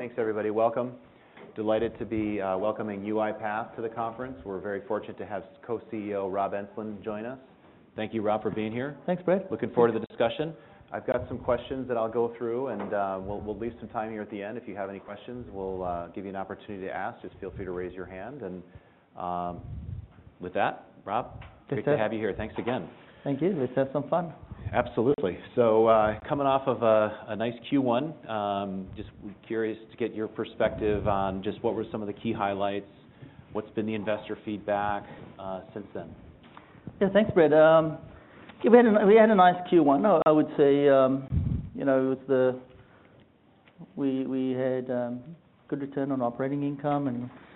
Thanks, everybody. Welcome. Delighted to be welcoming UiPath to the conference. We're very fortunate to have co-CEO Rob Enslin join us. Thank you, Rob, for being here. Thanks, Brad. Looking forward to the discussion. I've got some questions that I'll go through, and we'll leave some time here at the end. If you have any questions, we'll give you an opportunity to ask. Just feel free to raise your hand. With that, Rob. Good to- Great to have you here. Thanks again. Thank you. Let's have some fun. Absolutely. coming off of a nice Q1, curious to get your perspective on what were some of the key highlights, what's been the investor feedback, since then? Yeah, thanks, Brad. I would say, you know, it was the... We had good return on operating income. Mm-hmm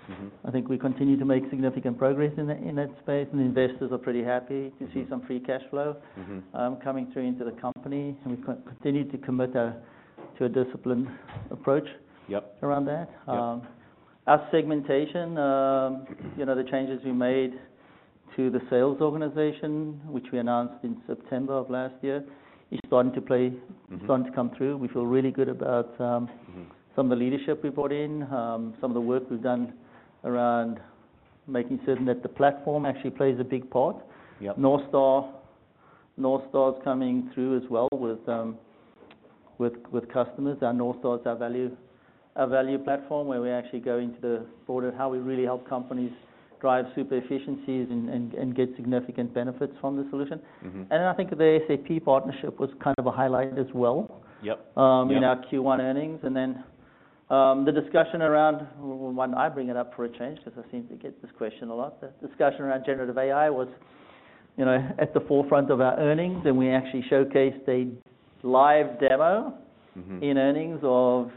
I think we continue to make significant progress in that space, and the investors are pretty happy. Mm-hmm to see some free cash flow. Mm-hmm... coming through into the company, and we continue to commit to a disciplined approach. Yep around that. Yep. Our segmentation, you know, the changes we made to the sales organization, which we announced in September of last year, is starting to. Mm-hmm starting to come through. We feel really good about. Mm-hmm some of the leadership we brought in, some of the work we've done around making certain that the platform actually plays a big part. Yep. North Star. North Star is coming through as well with customers. Our North Star is our value platform, where we actually go into the board of how we really help companies drive super efficiencies and get significant benefits from the solution. Mm-hmm. I think the SAP partnership was kind of a highlight as well. Yep.... in our Q1 earnings. Why don't I bring it up for a change, because I seem to get this question a lot. The discussion around generative AI was, you know, at the forefront of our earnings, and we actually showcased a live demo. Mm-hmm... in earnings of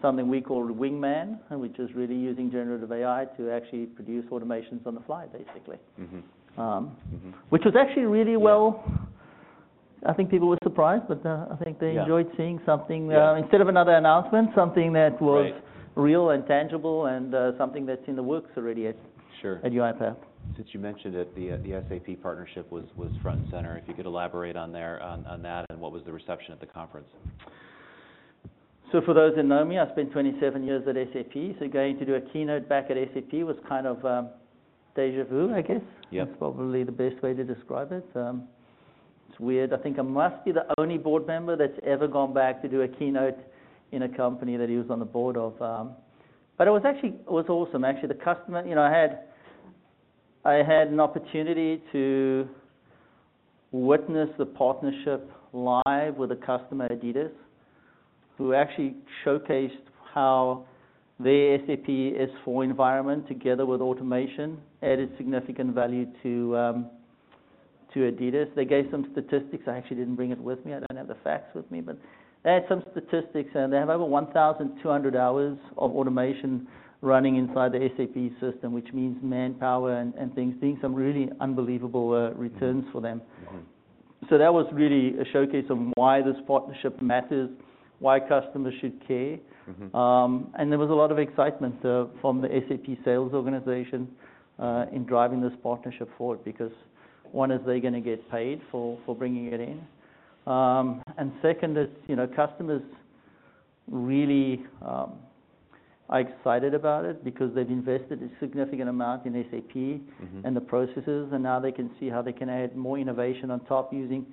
something we call Project Wingman, which is really using generative AI to actually produce automations on the fly, basically. Mm-hmm. Um- Mm-hmm which was actually really well. Yeah. I think people were surprised, but, I think. Yeah... enjoyed seeing something. Yeah... instead of another announcement, something that was- Right... real and tangible and, something that's in the works already. Sure... at UiPath. Since you mentioned it, the SAP partnership was front and center. If you could elaborate on there, on that, what was the reception at the conference? For those who know me, I spent 27 years at SAP, so going to do a keynote back at SAP was kind of, deja vu, I guess. Yep. That's probably the best way to describe it. It's weird. I think I must be the only board member that's ever gone back to do a keynote in a company that he was on the board of. It was actually, it was awesome, actually. You know, I had an opportunity to witness the partnership live with a customer, Adidas, who actually showcased how their SAP S/4 environment, together with automation, added significant value to Adidas. They gave some statistics. I actually didn't bring it with me. I don't have the facts with me, but they had some statistics, and they have over 1,200 hours of automation running inside the SAP system, which means manpower and things. Seeing some really unbelievable returns. Mm-hmm... for them. Mm-hmm. That was really a showcase of why this partnership matters, why customers should care. Mm-hmm. There was a lot of excitement from the SAP sales organization in driving this partnership forward because, one is they're gonna get paid for bringing it in. Second is, you know, customers really, are excited about it because they've invested a significant amount in SAP... Mm-hmm and the processes, and now they can see how they can add more innovation on top using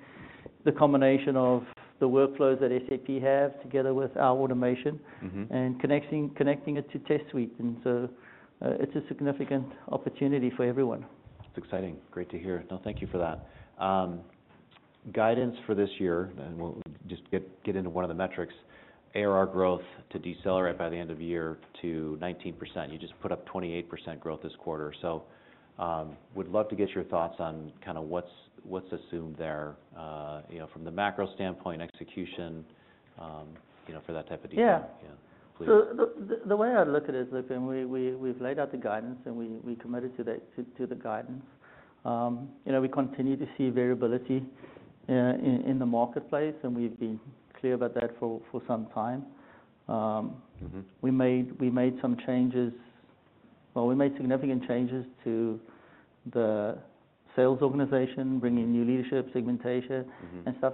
the combination of the workflows that SAP have, together with our automation-. Mm-hmm... and connecting it to Test Suite. It's a significant opportunity for everyone. It's exciting. Great to hear. Thank you for that. Guidance for this year, and we'll just get into one of the metrics, ARR growth to decelerate by the end of the year to 19%. You just put up 28% growth this quarter. Would love to get your thoughts on kind of what's assumed there, you know, from the macro standpoint, execution, you know, for that type of detail. Yeah. Yeah, please. The way I look at it is, look, and we've laid out the guidance, and we committed to the guidance. You know, we continue to see variability in the marketplace, and we've been clear about that for some time. Mm-hmm We made significant changes to the sales organization, bringing new leadership, segmentation... Mm-hmm... and stuff.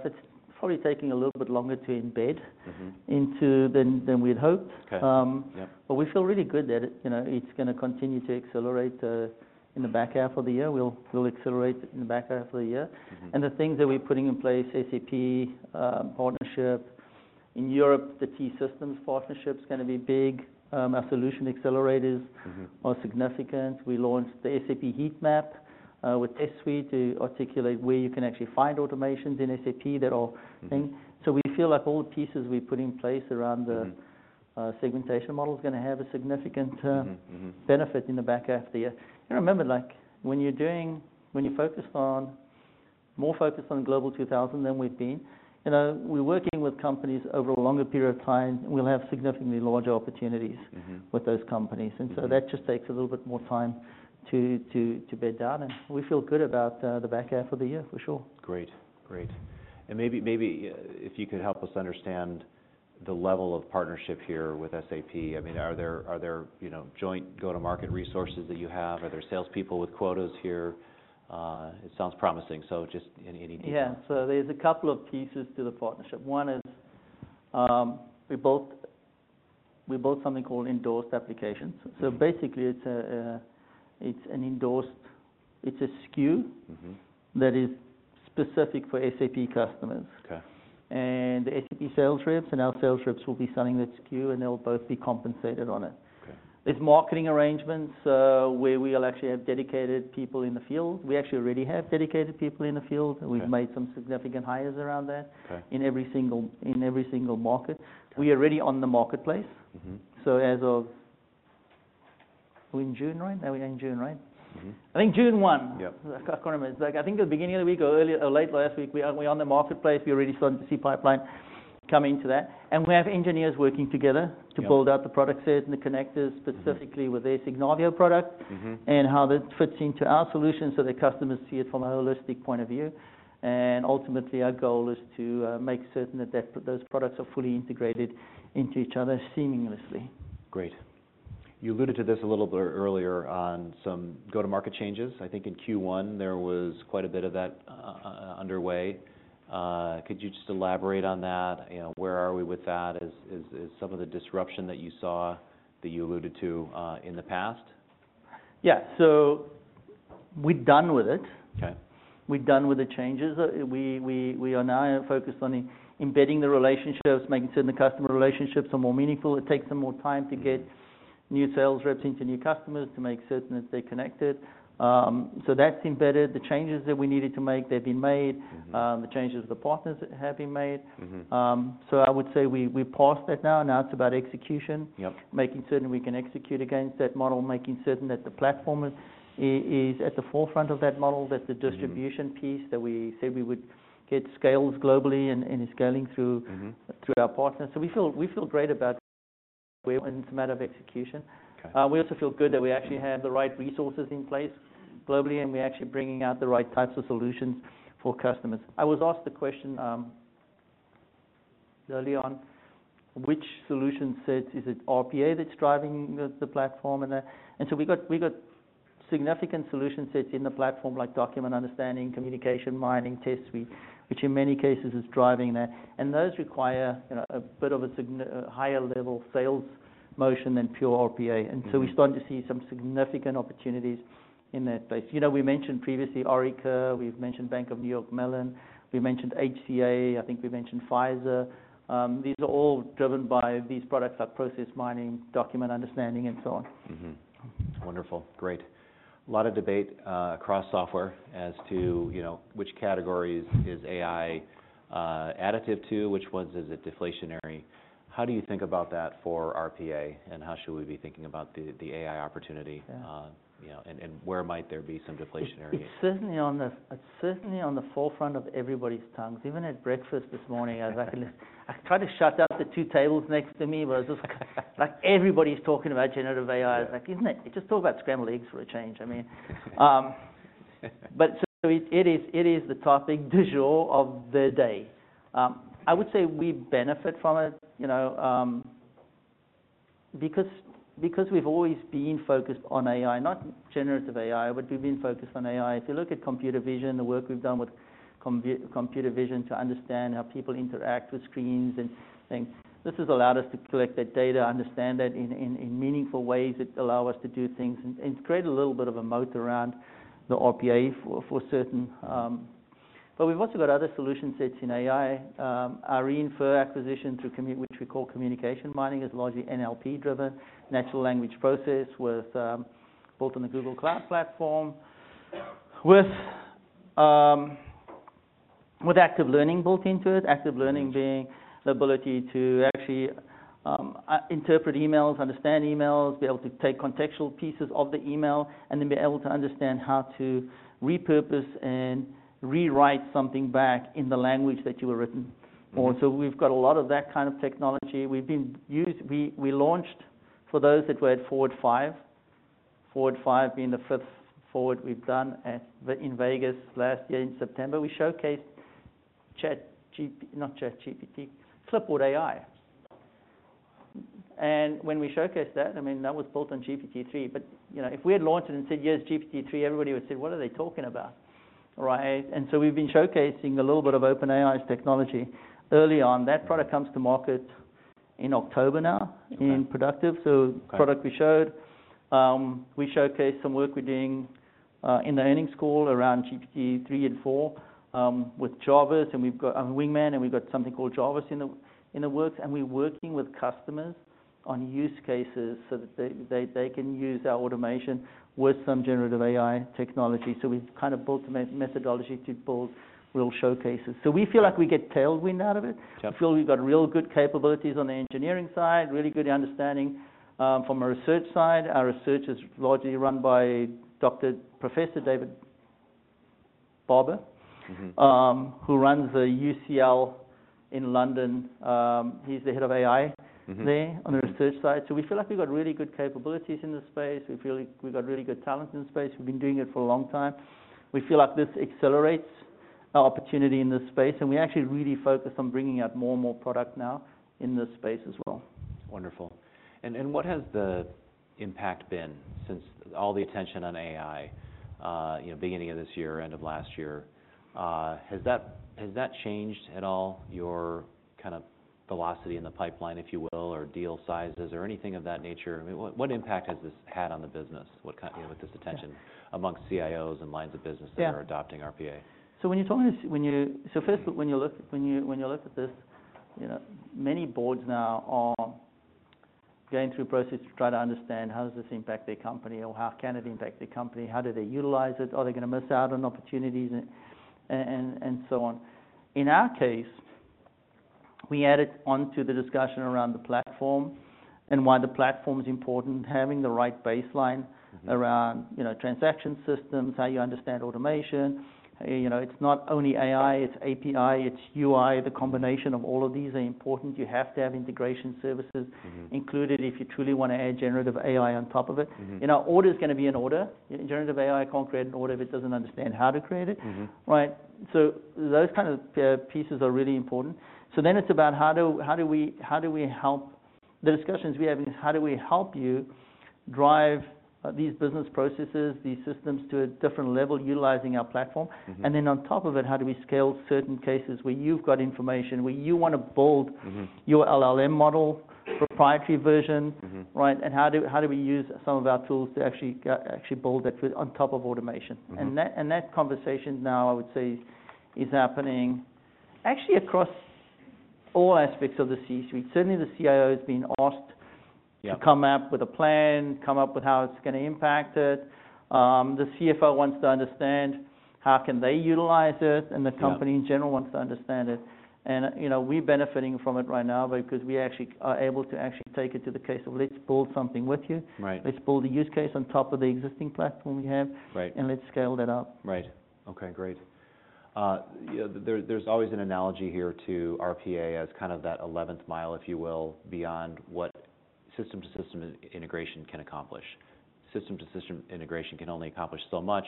It's probably taking a little bit longer to embed- Mm-hmm into than we'd hoped. Okay. Yep. We feel really good that it, you know, it's gonna continue to accelerate in the back half of the year. We'll accelerate in the back half of the year. Mm-hmm. The things that we're putting in place, SAP, partnership. In Europe, the T-Systems partnership is gonna be big. Our solution accelerators... Mm-hmm... are significant. We launched the SAP Heatmap with Test Suite to articulate where you can actually find automations in SAP. They're all things. Mm-hmm. We feel like all the pieces we put in place around the-. Mm-hmm... segmentation model is gonna have a significant. Mm-hmm, mm-hmm... benefit in the back half of the year. Remember, like, more focused on Global 2000 than we've been, you know, we're working with companies over a longer period of time, we'll have significantly larger opportunities... Mm-hmm with those companies. Mm-hmm. That just takes a little bit more time to bear down, and we feel good about the back half of the year, for sure. Great. Maybe, if you could help us understand the level of partnership here with SAP. I mean, are there, you know, joint go-to-market resources that you have? Are there salespeople with quotas here? It sounds promising, so just any detail? Yeah. There's a couple of pieces to the partnership. One is, we built something called Endorsed Applications. Mm-hmm. Basically, it's a, it's a SKU. Mm-hmm that is specific for SAP customers. Okay. The SAP sales reps and our sales reps will be selling that SKU, and they'll both be compensated on it. Okay. There's marketing arrangements, where we will actually have dedicated people in the field. We actually already have dedicated people in the field. Okay We've made some significant hires around that. Okay in every single market. We are already on the marketplace. Mm-hmm. As of. We're in June, right? Now we're in June, right? Mm-hmm. I think June 1. Yep. I can't remember. Like, I think the beginning of the week or earlier or late last week, we're on the marketplace. We already starting to see pipeline come into that, and we have engineers working together- Yeah -to build out the product sets and the connectors- Mm-hmm specifically with their Signavio product. Mm-hmm. How that fits into our solution, so the customers see it from a holistic point of view. Ultimately, our goal is to make certain that those products are fully integrated into each other seamlessly. Great. You alluded to this a little bit earlier on some go-to-market changes. I think in Q1, there was quite a bit of that underway. Could you just elaborate on that? You know, where are we with that? Is some of the disruption that you saw, that you alluded to in the past? Yeah. We're done with it. Okay. We're done with the changes. We are now focused on embedding the relationships, making certain the customer relationships are more meaningful. It takes them more time to get new sales reps into new customers to make certain that they're connected. That's embedded. The changes that we needed to make, they've been made. Mm-hmm. The changes of the partners have been made. Mm-hmm. I would say we passed that now it's about execution. Yep. Making certain we can execute against that model, making certain that the platform is at the forefront of that model. Mm-hmm -piece that we said we would get scales globally and is scaling. Mm-hmm -through our partners. We feel great about where it's a matter of execution. Okay. We also feel good that we actually have the right resources in place globally, and we're actually bringing out the right types of solutions for customers. I was asked the question early on, which solution set, is it RPA that's driving the platform and that? We got significant solution sets in the platform like Document Understanding, Communications Mining, Test Suite, which in many cases is driving that. Those require, you know, a bit of a higher level sales motion than pure RPA. Mm-hmm. We're starting to see some significant opportunities in that space. You know, we mentioned previously Aera, we've mentioned Bank of New York Mellon, we mentioned HCA, I think we mentioned Pfizer. These are all driven by these products, like Process Mining, Document Understanding, and so on. Wonderful. Great. A lot of debate across software as to, you know, which categories is AI additive to, which ones is it deflationary? How do you think about that for RPA, and how should we be thinking about the AI opportunity, you know, and where might there be some deflationary? It's certainly on the forefront of everybody's tongues. Even at breakfast this morning, I was like, I tried to shut out the two tables next to me, where I was just like, everybody's talking about generative AI. Yeah. Like, isn't it? Just talk about scrambled eggs for a change. I mean. It is the topic du jour of the day. I would say we benefit from it, you know, because we've always been focused on AI, not generative AI, but we've been focused on AI. If you look at Computer Vision, the work we've done with Computer Vision, to understand how people interact with screens and things. This has allowed us to collect that data, understand that in meaningful ways that allow us to do things and create a little bit of a moat around the RPA for certain. We've also got other solution sets in AI. Our Re:infer acquisition, which we call Communications Mining, is largely NLP-driven, natural language process, with built on the Google Cloud platform, with active learning built into it. Mm-hmm being the ability to actually, interpret emails, understand emails, be able to take contextual pieces of the email, and then be able to understand how to repurpose and rewrite something back in the language that you were written for. Mm-hmm. We've got a lot of that kind of technology. We launched, for those that were at FORWARD 5, FORWARD 5 being the fifth forward we've done in Vegas last year in September. We showcased ChatGPT, not ChatGPT, Clipboard AI. When we showcased that, I mean, that was built on GPT-3, but, you know, if we had launched it and said, "Here's GPT-3," everybody would say: "What are they talking about?" Right? We've been showcasing a little bit of OpenAI's technology early on. Right. That product comes to market in October. Okay in productive. Okay. The product we showed, we showcased some work we're doing in the earnings call around GPT-3 and GPT-4 with Jarvis and Wingman, and we've got something called Jarvis in the works, and we're working with customers on use cases so that they can use our automation with some generative AI technology. We've kinda built a methodology to build real showcases. We feel like we get tailwind out of it. Sure. We feel we've got real good capabilities on the engineering side, really good understanding, from a research side. Our research is largely run by Professor David Barber. Mm-hmm... who runs the UCL in London. He's the head of. Mm-hmm -there on the research side. We feel like we've got really good capabilities in this space. We feel like we've got really good talent in the space. We've been doing it for a long time. We feel like this accelerates opportunity in this space, and we actually really focus on bringing out more and more product now in this space as well. Wonderful. What has the impact been since all the attention on AI, you know, beginning of this year, end of last year? Has that changed at all your kind of velocity in the pipeline, if you will, or deal sizes or anything of that nature? I mean, what impact has this had on the business? You know, with this attention amongst CIOs and lines of business- Yeah that are adopting RPA? When you're talking, first, when you look at this, you know, many boards now are going through a process to try to understand how does this impact their company or how can it impact their company? How do they utilize it? Are they going to miss out on opportunities and so on? In our case, we added on to the discussion around the platform and why the platform is important, having the right baseline- Mm-hmm... around, you know, transaction systems, how you understand automation. You know, it's not only AI, it's API, it's UI. The combination of all of these are important. You have to have Integration Services-. Mm-hmm... included if you truly want to add generative AI on top of it. Mm-hmm. You know, order is going to be an order. Generative AI can't create an order if it doesn't understand how to create it. Mm-hmm. Right? Those kind of pieces are really important. The discussions we have is how do we help you drive, these business processes, these systems, to a different level, utilizing our platform? Mm-hmm. On top of it, how do we scale certain cases where you've got information, where you want to... Mm-hmm... your LLM model, proprietary version? Mm-hmm. Right. How do we use some of our tools to actually build it on top of automation? Mm-hmm. That conversation now, I would say, is happening actually across all aspects of the C-suite. Certainly, the CIO. Yeah... to come up with a plan, come up with how it's going to impact it. The CFO wants to understand how can they utilize. Yeah... the company in general wants to understand it. You know, we're benefiting from it right now, because we actually are able to actually take it to the case of, let's build something with you. Right. Let's build a use case on top of the existing platform we have. Right let's scale that up. Right. Okay, great. you know, there's always an analogy here to RPA as kind of that 11th mile, if you will, beyond what system-to-system integration can accomplish. System-to-system integration can only accomplish so much.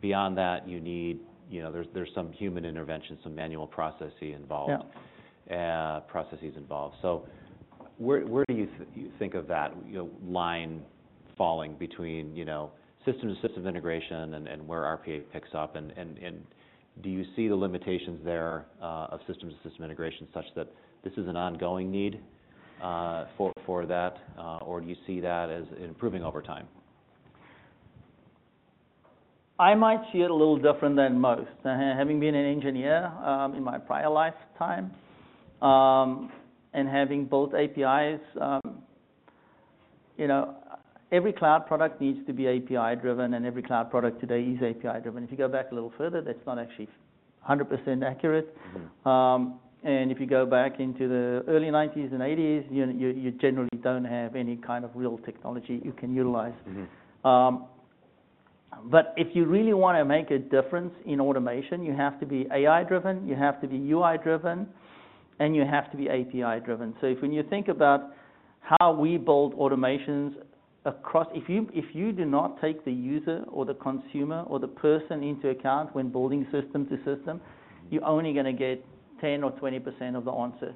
Beyond that, you need, you know... There's some human intervention, some manual processes involved. Yeah. Processes involved. Where do you think of that, you know, line falling between, you know, system-to-system integration and where RPA picks up? Do you see the limitations there of system-to-system integration, such that this is an ongoing need for that? Do you see that as improving over time? I might see it a little different than most. having been an engineer, in my prior lifetime, and having built APIs, you know, every cloud product needs to be API-driven, and every cloud product today is API-driven. If you go back a little further, that's not actually 100% accurate. Mm-hmm. If you go back into the early 90s and 80s, you know, you generally don't have any kind of real technology you can utilize. Mm-hmm. If you really want to make a difference in automation, you have to be AI-driven, you have to be UI-driven, and you have to be API-driven. If when you think about how we build automations if you do not take the user or the consumer or the person into account when building system to system, you're only going to get 10% or 20% of the answer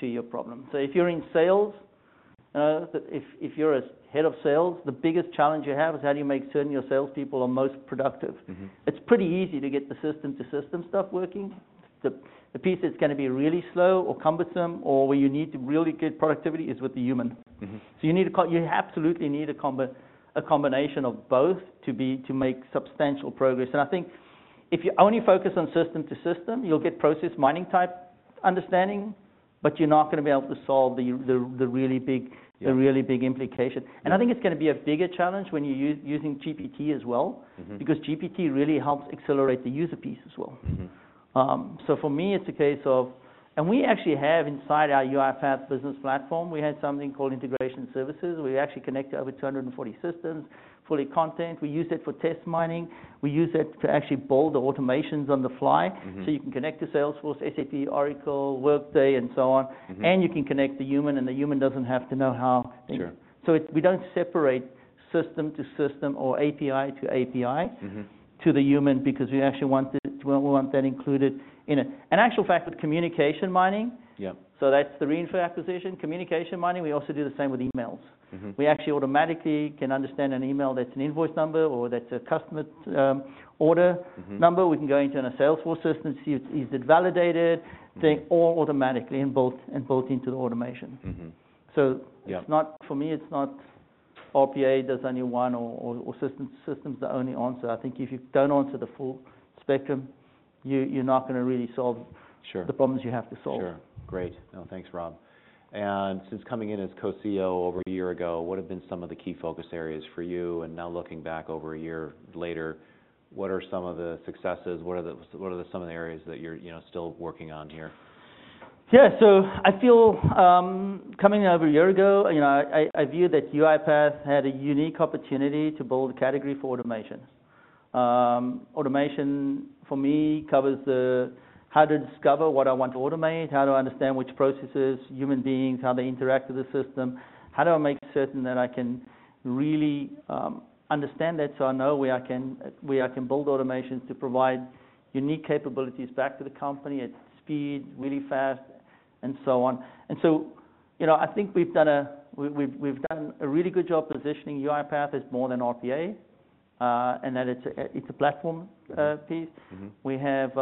to your problem. If you're in sales, if you're a head of sales, the biggest challenge you have is how do you make certain your salespeople are most productive? Mm-hmm. It's pretty easy to get the system-to-system stuff working. The piece that's going to be really slow or cumbersome or where you need to really get productivity is with the human. Mm-hmm. You absolutely need a combination of both to be, to make substantial progress. I think if you only focus on system to system, you'll get Process Mining type understanding, but you're not going to be able to solve the really big- Yeah... the really big implication. I think it's going to be a bigger challenge when you're using GPT as well. Mm-hmm because GPT really helps accelerate the user piece as well. Mm-hmm. We actually have inside our UiPath Business Platform, we have something called Integration Service, where we actually connect to over 240 systems, fully content. We use it for Test Mining. We use it to actually build the automations on the fly. Mm-hmm. You can connect to Salesforce, SAP, Oracle, Workday, and so on. Mm-hmm. You can connect the human, and the human doesn't have to know how- Sure... we don't separate system to system or API to API. Mm-hmm... to the human, because we actually want it, we want that included in it. An actual fact with Communications Mining- Yeah. That's the Re:infer acquisition. Communications Mining, we also do the same with emails. Mm-hmm. We actually automatically can understand an email that's an invoice number or that's a customer, Mm-hmm... number. We can go into in a Salesforce system and see, is it validated? All automatically inbuilt into the automation. Mm-hmm. So- Yeah... for me, it's not RPA, there's only one or system's the only answer. I think if you don't answer the full spectrum, you're not going to really solve. Sure... the problems you have to solve. Sure. Great. Thanks, Rob. Since coming in as co-CEO over a year ago, what have been some of the key focus areas for you? Now looking back over a year later, what are some of the successes? What are some of the areas that you're, you know, still working on here? Yeah. I feel, coming in over a year ago, you know, I, I viewed that UiPath had a unique opportunity to build a category for automation. Automation for me covers the how to discover what I want to automate, how do I understand which processes, human beings, how they interact with the system? How do I make certain that I can really understand that, so I know where I can, where I can build automations to provide unique capabilities back to the company at speed, really fast, and so on. You know, I think we've done a really good job positioning UiPath as more than RPA, and that it's a platform piece. Mm-hmm. We have,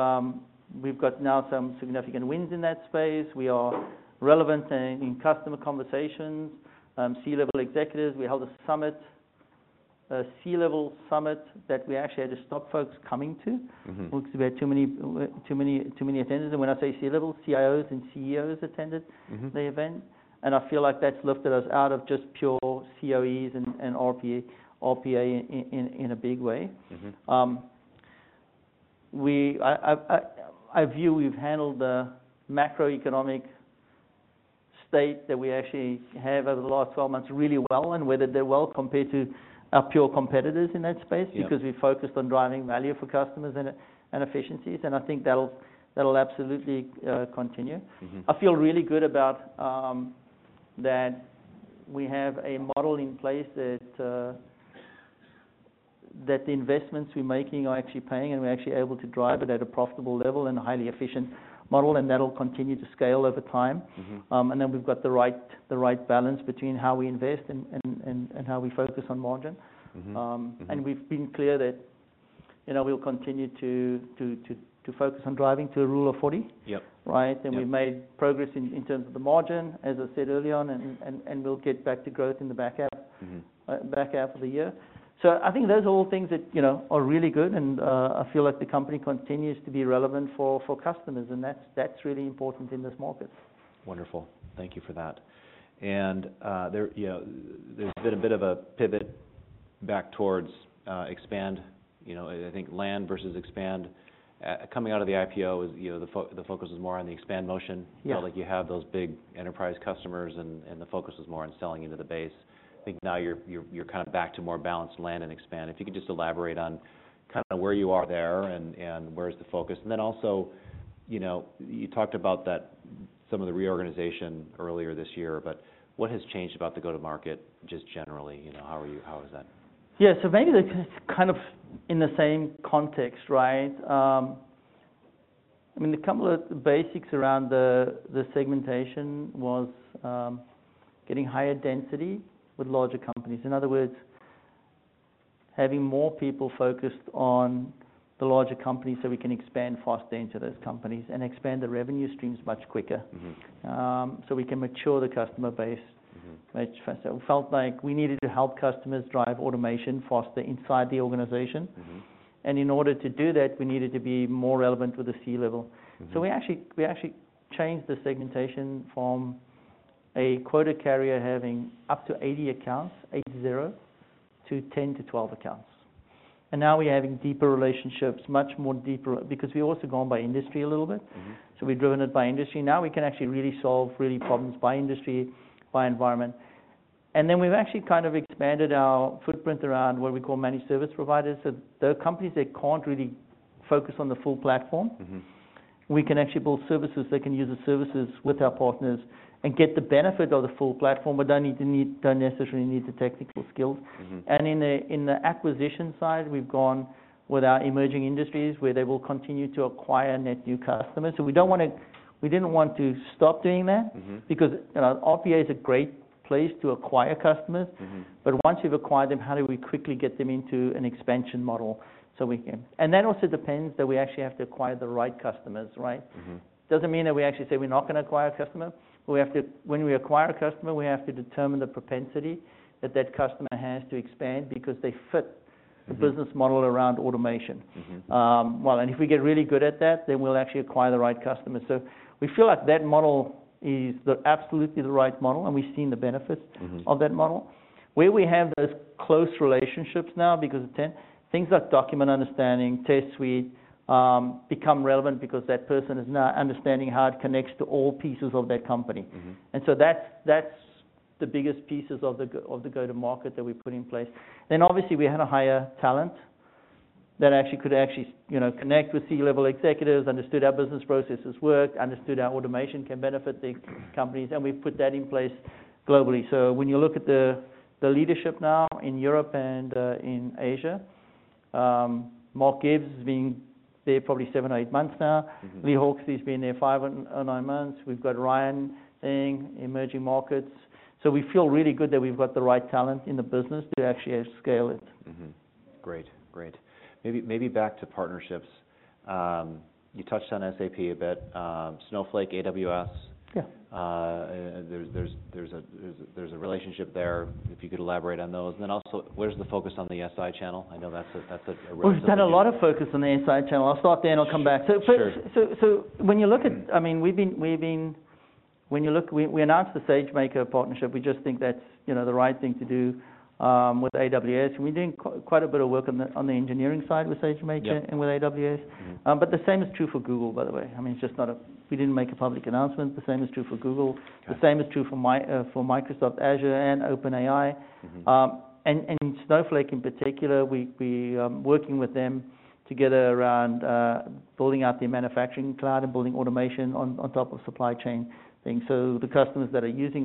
we've got now some significant wins in that space. We are relevant in customer conversations, C-level executives. We held a summit, a C-level summit, that we actually had to stop folks coming to. Mm-hmm. We had too many attendees. When I say C-level, CIOs and CEOs attended. Mm-hmm... the event, and I feel like that's lifted us out of just pure CoEs and RPA in a big way. Mm-hmm. I view we've handled the macroeconomic state that we actually have over the last 12 months really well, and weathered it well compared to our pure competitors in that space. Yeah... because we focused on driving value for customers and efficiencies, and I think that'll absolutely continue. Mm-hmm. I feel really good about that we have a model in place that the investments we're making are actually paying, and we're actually able to drive it at a profitable level and a highly efficient model, and that'll continue to scale over time. Mm-hmm. We've got the right balance between how we invest and how we focus on margin. Mm-hmm. Mm-hmm. We've been clear that, you know, we'll continue to focus on driving to a Rule of 40. Yep. Right? Yep. We've made progress in terms of the margin, as I said early on, and we'll get back to growth in the back half. Mm-hmm... back half of the year. I think those are all things that, you know, are really good, and I feel like the company continues to be relevant for customers, and that's really important in this market. Wonderful. Thank you for that. There, you know, there's been a bit of a pivot back towards expand, you know, I think land versus expand. Coming out of the IPO, you know, the focus was more on the expand motion. Yeah. Like, you have those big enterprise customers and the focus was more on selling into the base. I think now you're kind of back to more balanced land and expand. If you could just elaborate on kind of where you are there and where's the focus? Also, you know, you talked about that, some of the reorganization earlier this year, but what has changed about the go-to-market, just generally, you know, How is that? Yeah. Maybe that's kind of in the same context, right? I mean, the couple of basics around the segmentation was getting higher density with larger companies. In other words, having more people focused on the larger companies so we can expand faster into those companies, and expand the revenue streams much quicker... Mm-hmm We can mature the customer base. Mm-hmm. Which first, it felt like we needed to help customers drive automation faster inside the organization. Mm-hmm. In order to do that, we needed to be more relevant with the C-level. Mm-hmm. we actually changed the segmentation from a quota carrier having up to 80 accounts, 8 0, to 10 to 12 accounts. now we're having deeper relationships, much more deeper, because we've also gone by industry a little bit. Mm-hmm. We've driven it by industry. Now we can actually really solve really problems by industry, by environment. We've actually kind of expanded our footprint around what we call managed service providers. There are companies that can't really focus on the full platform. Mm-hmm. We can actually build services. They can use the services with our partners and get the benefit of the full platform. Don't necessarily need the technical skills. Mm-hmm. In the acquisition side, we've gone with our emerging industries, where they will continue to acquire net new customers. We didn't want to stop doing that. Mm-hmm ...because, you know, RPA is a great place to acquire customers. Mm-hmm. Once you've acquired them, how do we quickly get them into an expansion model so we can? That also depends that we actually have to acquire the right customers, right? Mm-hmm. Doesn't mean that we actually say we're not gonna acquire a customer, but when we acquire a customer, we have to determine the propensity that that customer has to expand because they fit. Mm-hmm the business model around automation. Mm-hmm. If we get really good at that, then we'll actually acquire the right customer. We feel like that model is the absolutely the right model, and we've seen the benefits. Mm-hmm of that model. Where we have those close relationships now, because then things like Document Understanding, Test Suite, become relevant because that person is now understanding how it connects to all pieces of their company. Mm-hmm. That's the biggest pieces of the go-to-market that we put in place. Obviously, we had a higher talent that actually could actually, you know, connect with C-level executives, understood how business processes work, understood how automation can benefit the companies, and we've put that in place globally. When you look at the leadership now in Europe and in Asia, Mark Gibbs has been there probably 7 or 8 months now. Mm-hmm. Lee Hawksley has been there 5, 9 months. We've got Ryan Tang, emerging markets. We feel really good that we've got the right talent in the business to actually scale it. Great. Maybe back to partnerships. You touched on SAP a bit, Snowflake, AWS. Yeah. There's a relationship there, if you could elaborate on those. Also, where's the focus on the SI channel? I know that's a. We've done a lot of focus on the SI channel. I'll start there, and I'll come back. Sure. When you look at... I mean, when you look, we announced the Amazon SageMaker partnership. We just think that's, you know, the right thing to do with AWS, and we're doing quite a bit of work on the engineering side with Amazon SageMaker. Yeah With AWS. Mm-hmm. The same is true for Google, by the way. I mean, it's just not we didn't make a public announcement. The same is true for Google. Yeah. The same is true for Microsoft Azure and OpenAI. Mm-hmm. Snowflake, in particular, we are working with them to get around building out the manufacturing cloud and building automation on top of supply chain things. The customers that are using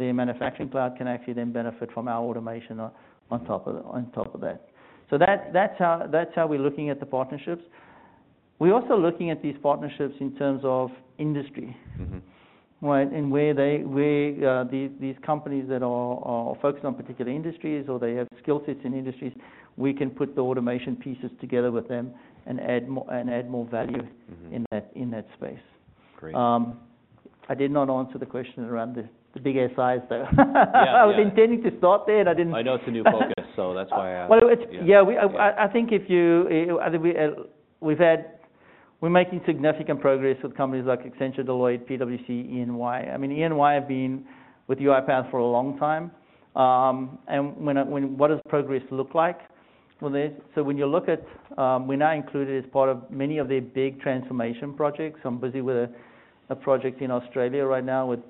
the manufacturing cloud can actually then benefit from our automation on top of that. That's how we're looking at the partnerships. We're also looking at these partnerships in terms of industry. Mm-hmm. Right? where they, these companies that are focused on particular industries or they have skill sets in industries, we can put the automation pieces together with them and add more value. Mm-hmm. in that, in that space. Great. I did not answer the question around the big SIs, though. Yeah, yeah. I was intending to start there, and I didn't. I know it's a new focus, so that's why I asked. Well, it's. Yeah, I think if you, I think we're making significant progress with companies like Accenture, Deloitte, PwC, EY. I mean, EY have been with UiPath for a long time. When, when, what does progress look like with this? When you look at, we're now included as part of many of their big transformation projects. I'm busy with a project in Australia right now with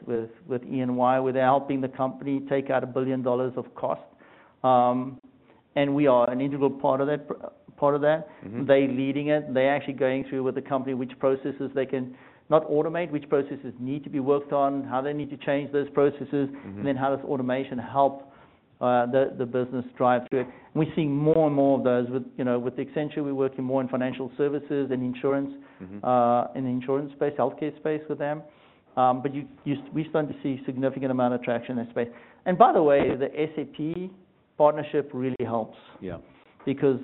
EY, with helping the company take out $1 billion of cost. We are an integral part of that, part of that. Mm-hmm. They're leading it. They're actually going through with the company, which processes they can not automate, which processes need to be worked on, how they need to change those processes. Mm-hmm. How does automation help the business drive through it. We're seeing more and more of those. With, you know, with Accenture, we're working more in financial services and insurance. Mm-hmm. in the insurance space, healthcare space with them. We're starting to see significant amount of traction in that space. By the way, the SAP partnership really helps. Yeah.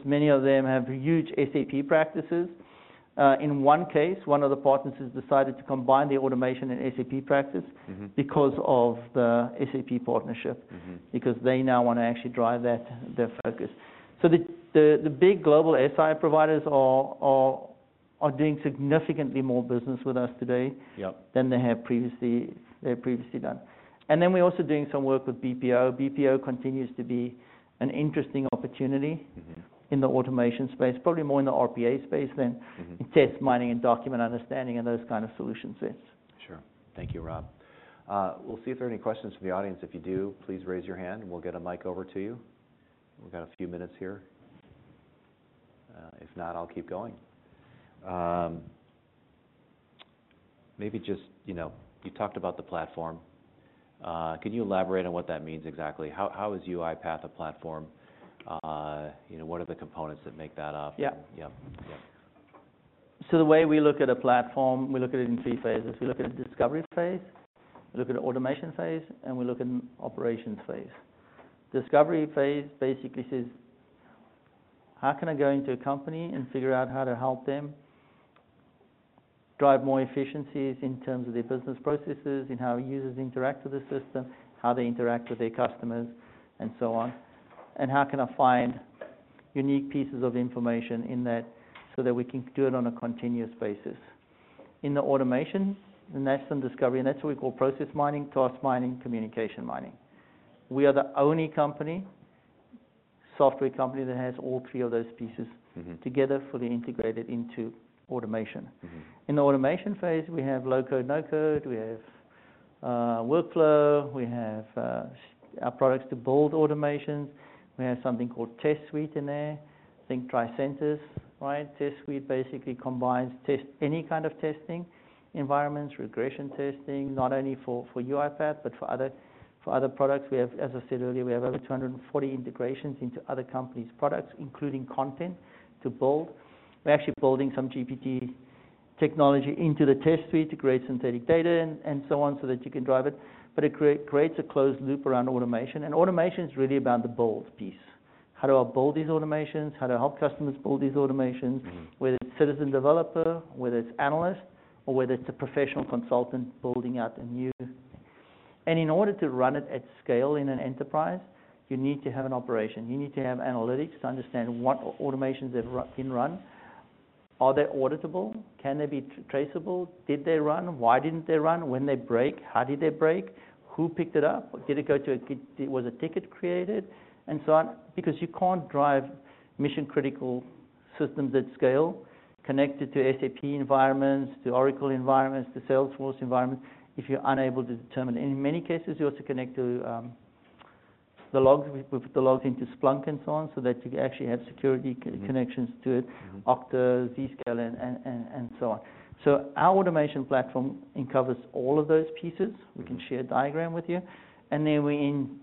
Many of them have huge SAP practices. In one case, one of the partners has decided to combine the automation and SAP practice. Mm-hmm. because of the SAP partnership. Mm-hmm. They now want to actually drive that, their focus. The big global SI providers are doing significantly more business with us today. Yep than they have previously done. We're also doing some work with BPO. BPO continues to be an interesting opportunity... Mm-hmm in the automation space, probably more in the RPA space than- Mm-hmm -in test mining and Document Understanding and those kind of solution sets. Sure. Thank you, Rob. We'll see if there are any questions from the audience. If you do, please raise your hand, and we'll get a mic over to you. We've got a few minutes here. If not, I'll keep going. Maybe just, you know, you talked about the platform. Can you elaborate on what that means exactly? How is UiPath a platform? You know, what are the components that make that up? Yeah. Yep. Yep. The way we look at a platform, we look at it in three phases. We look at the discovery phase, we look at the automation phase, and we look in operations phase. Discovery phase basically says, "How can I go into a company and figure out how to help them drive more efficiencies in terms of their business processes, in how users interact with the system, how they interact with their customers, and so on? And how can I find unique pieces of information in that so that we can do it on a continuous basis?" In the automation, and that's in discovery, and that's what we call Process Mining, Task Mining, Communications Mining. We are the only company, software company, that has all three of those pieces- Mm-hmm together fully integrated into automation. Mm-hmm. In the automation phase, we have low-code, no-code, we have workflow, we have our products to build automations. We have something called Test Suite in there. Think Tricentis, right? Test Suite basically combines any kind of testing environments, regression testing, not only for UiPath, but for other products. We have, as I said earlier, we have over 240 integrations into other companies' products, including content to build. We're actually building some GPT technology into the Test Suite to create synthetic data and so on, so that you can drive it. It creates a closed loop around automation is really about the build piece. How do I build these automations? How to help customers build these automations. Mm-hmm whether it's citizen developer, whether it's analyst, or whether it's a professional consultant building out a new. In order to run it at scale in an enterprise, you need to have an operation. You need to have analytics to understand what automations have run, been run. Are they auditable? Can they be traceable? Did they run? Why didn't they run? When they break, how did they break? Who picked it up, or was a ticket created, and so on? Because you can't drive mission-critical systems at scale connected to SAP environments, to Oracle environments, to Salesforce environments if you're unable to determine. In many cases, you also connect to the logs, with the logs into Splunk and so on, so that you actually have security connections. Mm-hmm to it, Okta, Zscaler, and so on. Our automation platform covers all of those pieces. We can share a diagram with you. Then we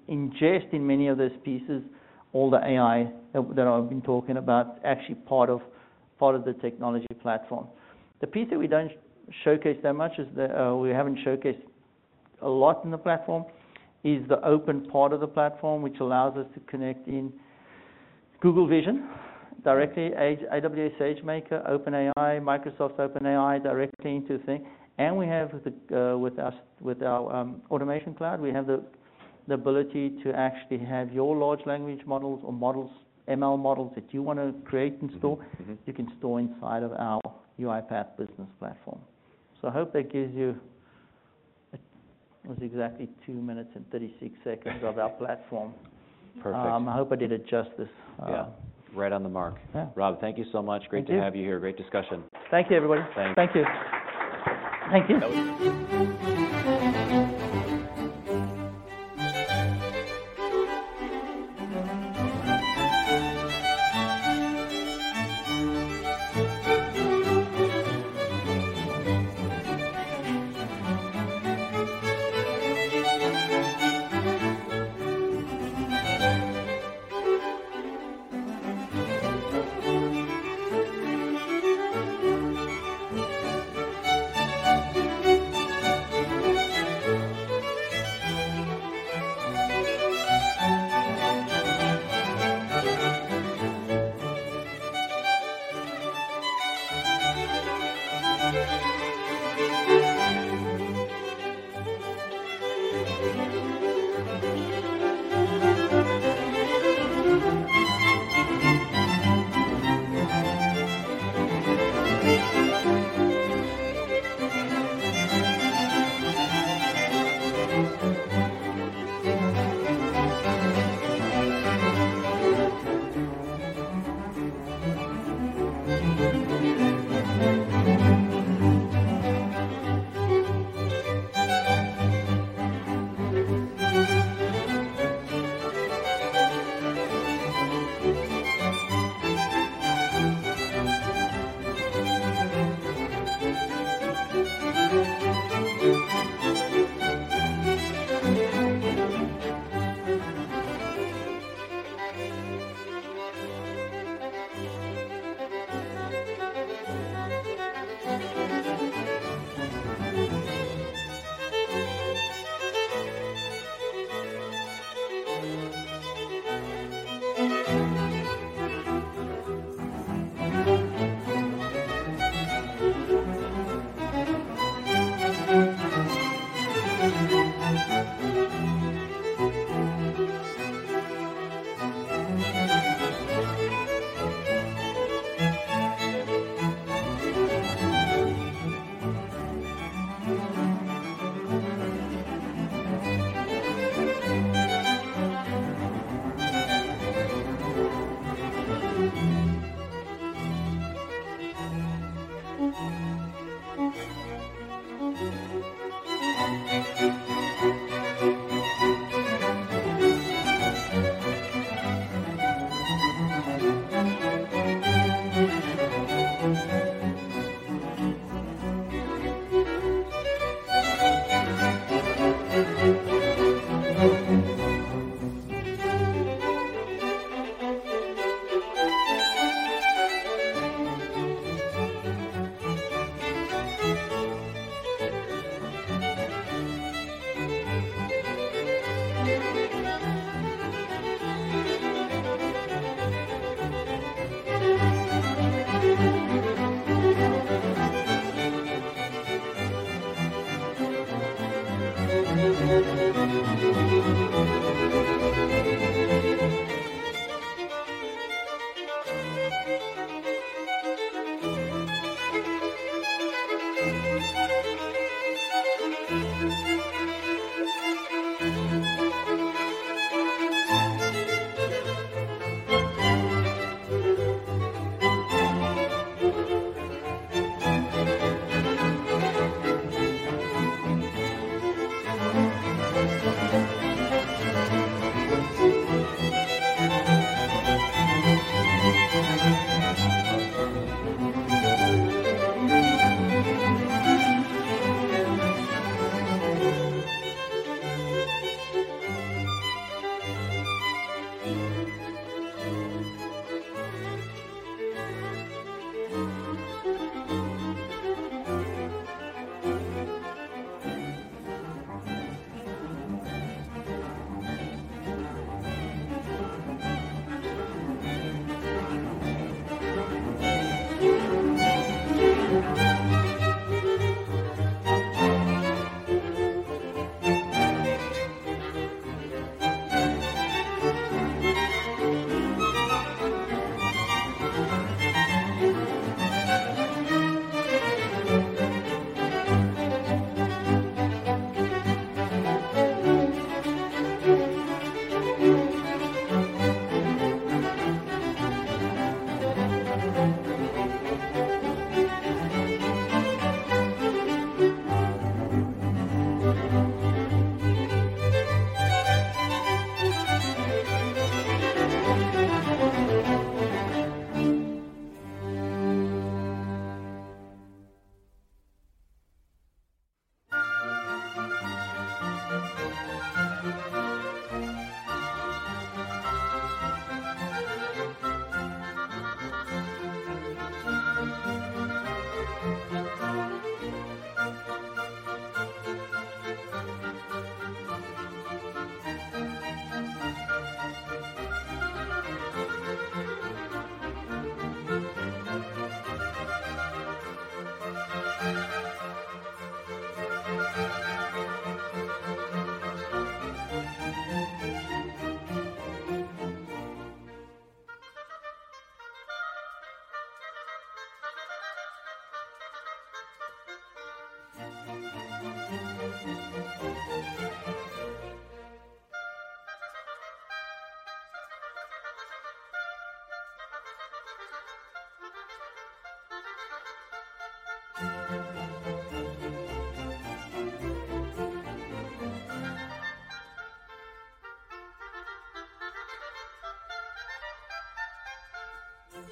ingest in many of those pieces, all the AI that I've been talking about, actually part of the technology platform. The piece that we don't showcase that much is the, we haven't showcased a lot in the platform, is the open part of the platform, which allows us to connect in Google Vision directly, AWS SageMaker, OpenAI, Microsoft Azure OpenAI, directly into the thing. We have with our Automation Cloud, we have the ability to actually have your large language models or models, ML models, that you want to create and store- Mm-hmm, mm-hmm... you can store inside of our UiPath Business Platform. I hope that gives you... It was exactly 2 minutes and 36 seconds... of our Platform. Perfect. I hope I did it justice. Yeah. Right on the mark. Yeah. Rob, thank you so much. Thank you. Great to have you here. Great discussion. Thank you, everybody. Thanks. Thank you.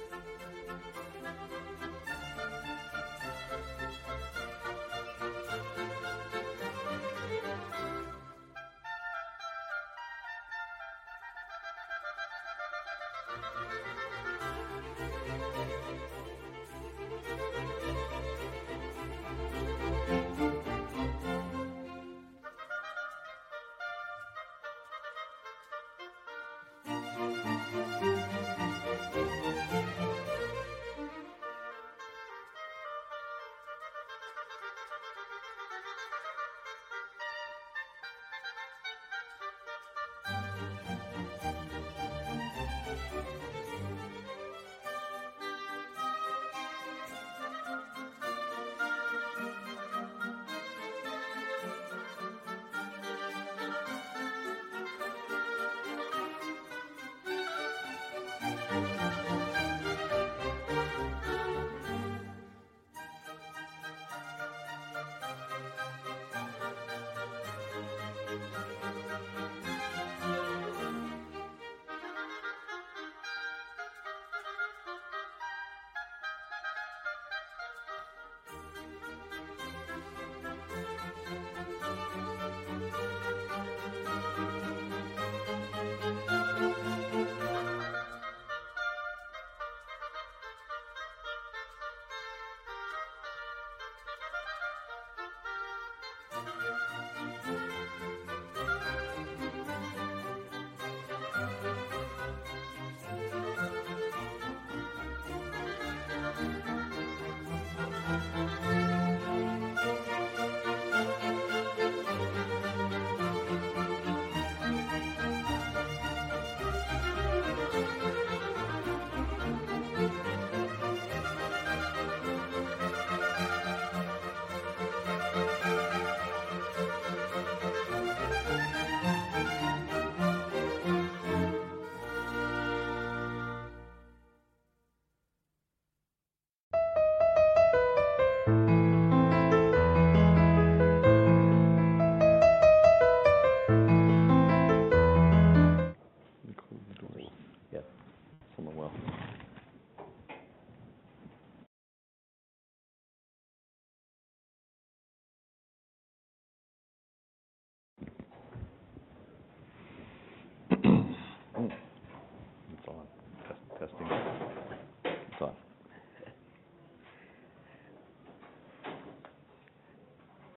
Thank you. Good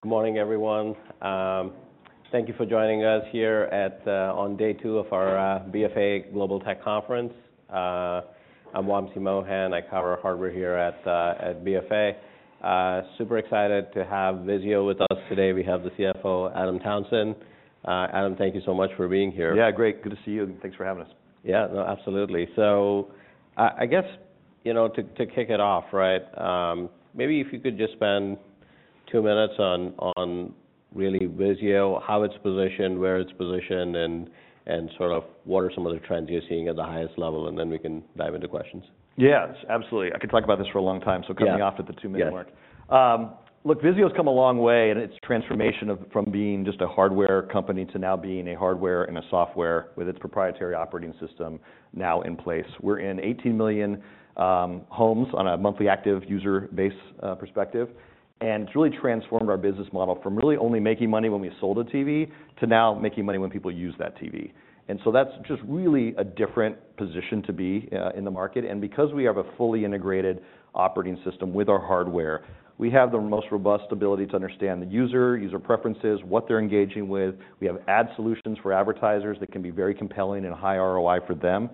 morning, everyone. Thank you for joining us here at, on day 2 of our, BFA Global Tech Conference. I'm Wamsi Mohan. I cover hardware here at BFA. super excited to have VIZIO with us today. We have the CFO, Adam Townsend. Adam, thank you so much for being here. Yeah, great. Good to see you, and thanks for having us. Yeah, no, absolutely. I guess, you know, to kick it off, right, maybe if you could just spend two minutes on really VIZIO, how it's positioned, where it's positioned, and sort of what are some of the trends you're seeing at the highest level, and then we can dive into questions. Yes, absolutely. I could talk about this for a long time- Yeah. Cutting off at the 2-minute mark. Yes. Look, VIZIO's come a long way in its transformation of, from being just a hardware company to now being a hardware and a software with its proprietary operating system now in place. We're in 18 million homes on a monthly active user base perspective, it's really transformed our business model from really only making money when we sold a TV to now making money when people use that TV. That's just really a different position to be in the market. Because we have a fully integrated operating system with our hardware, we have the most robust ability to understand the user preferences, what they're engaging with. We have ad solutions for advertisers that can be very compelling and high ROI for them.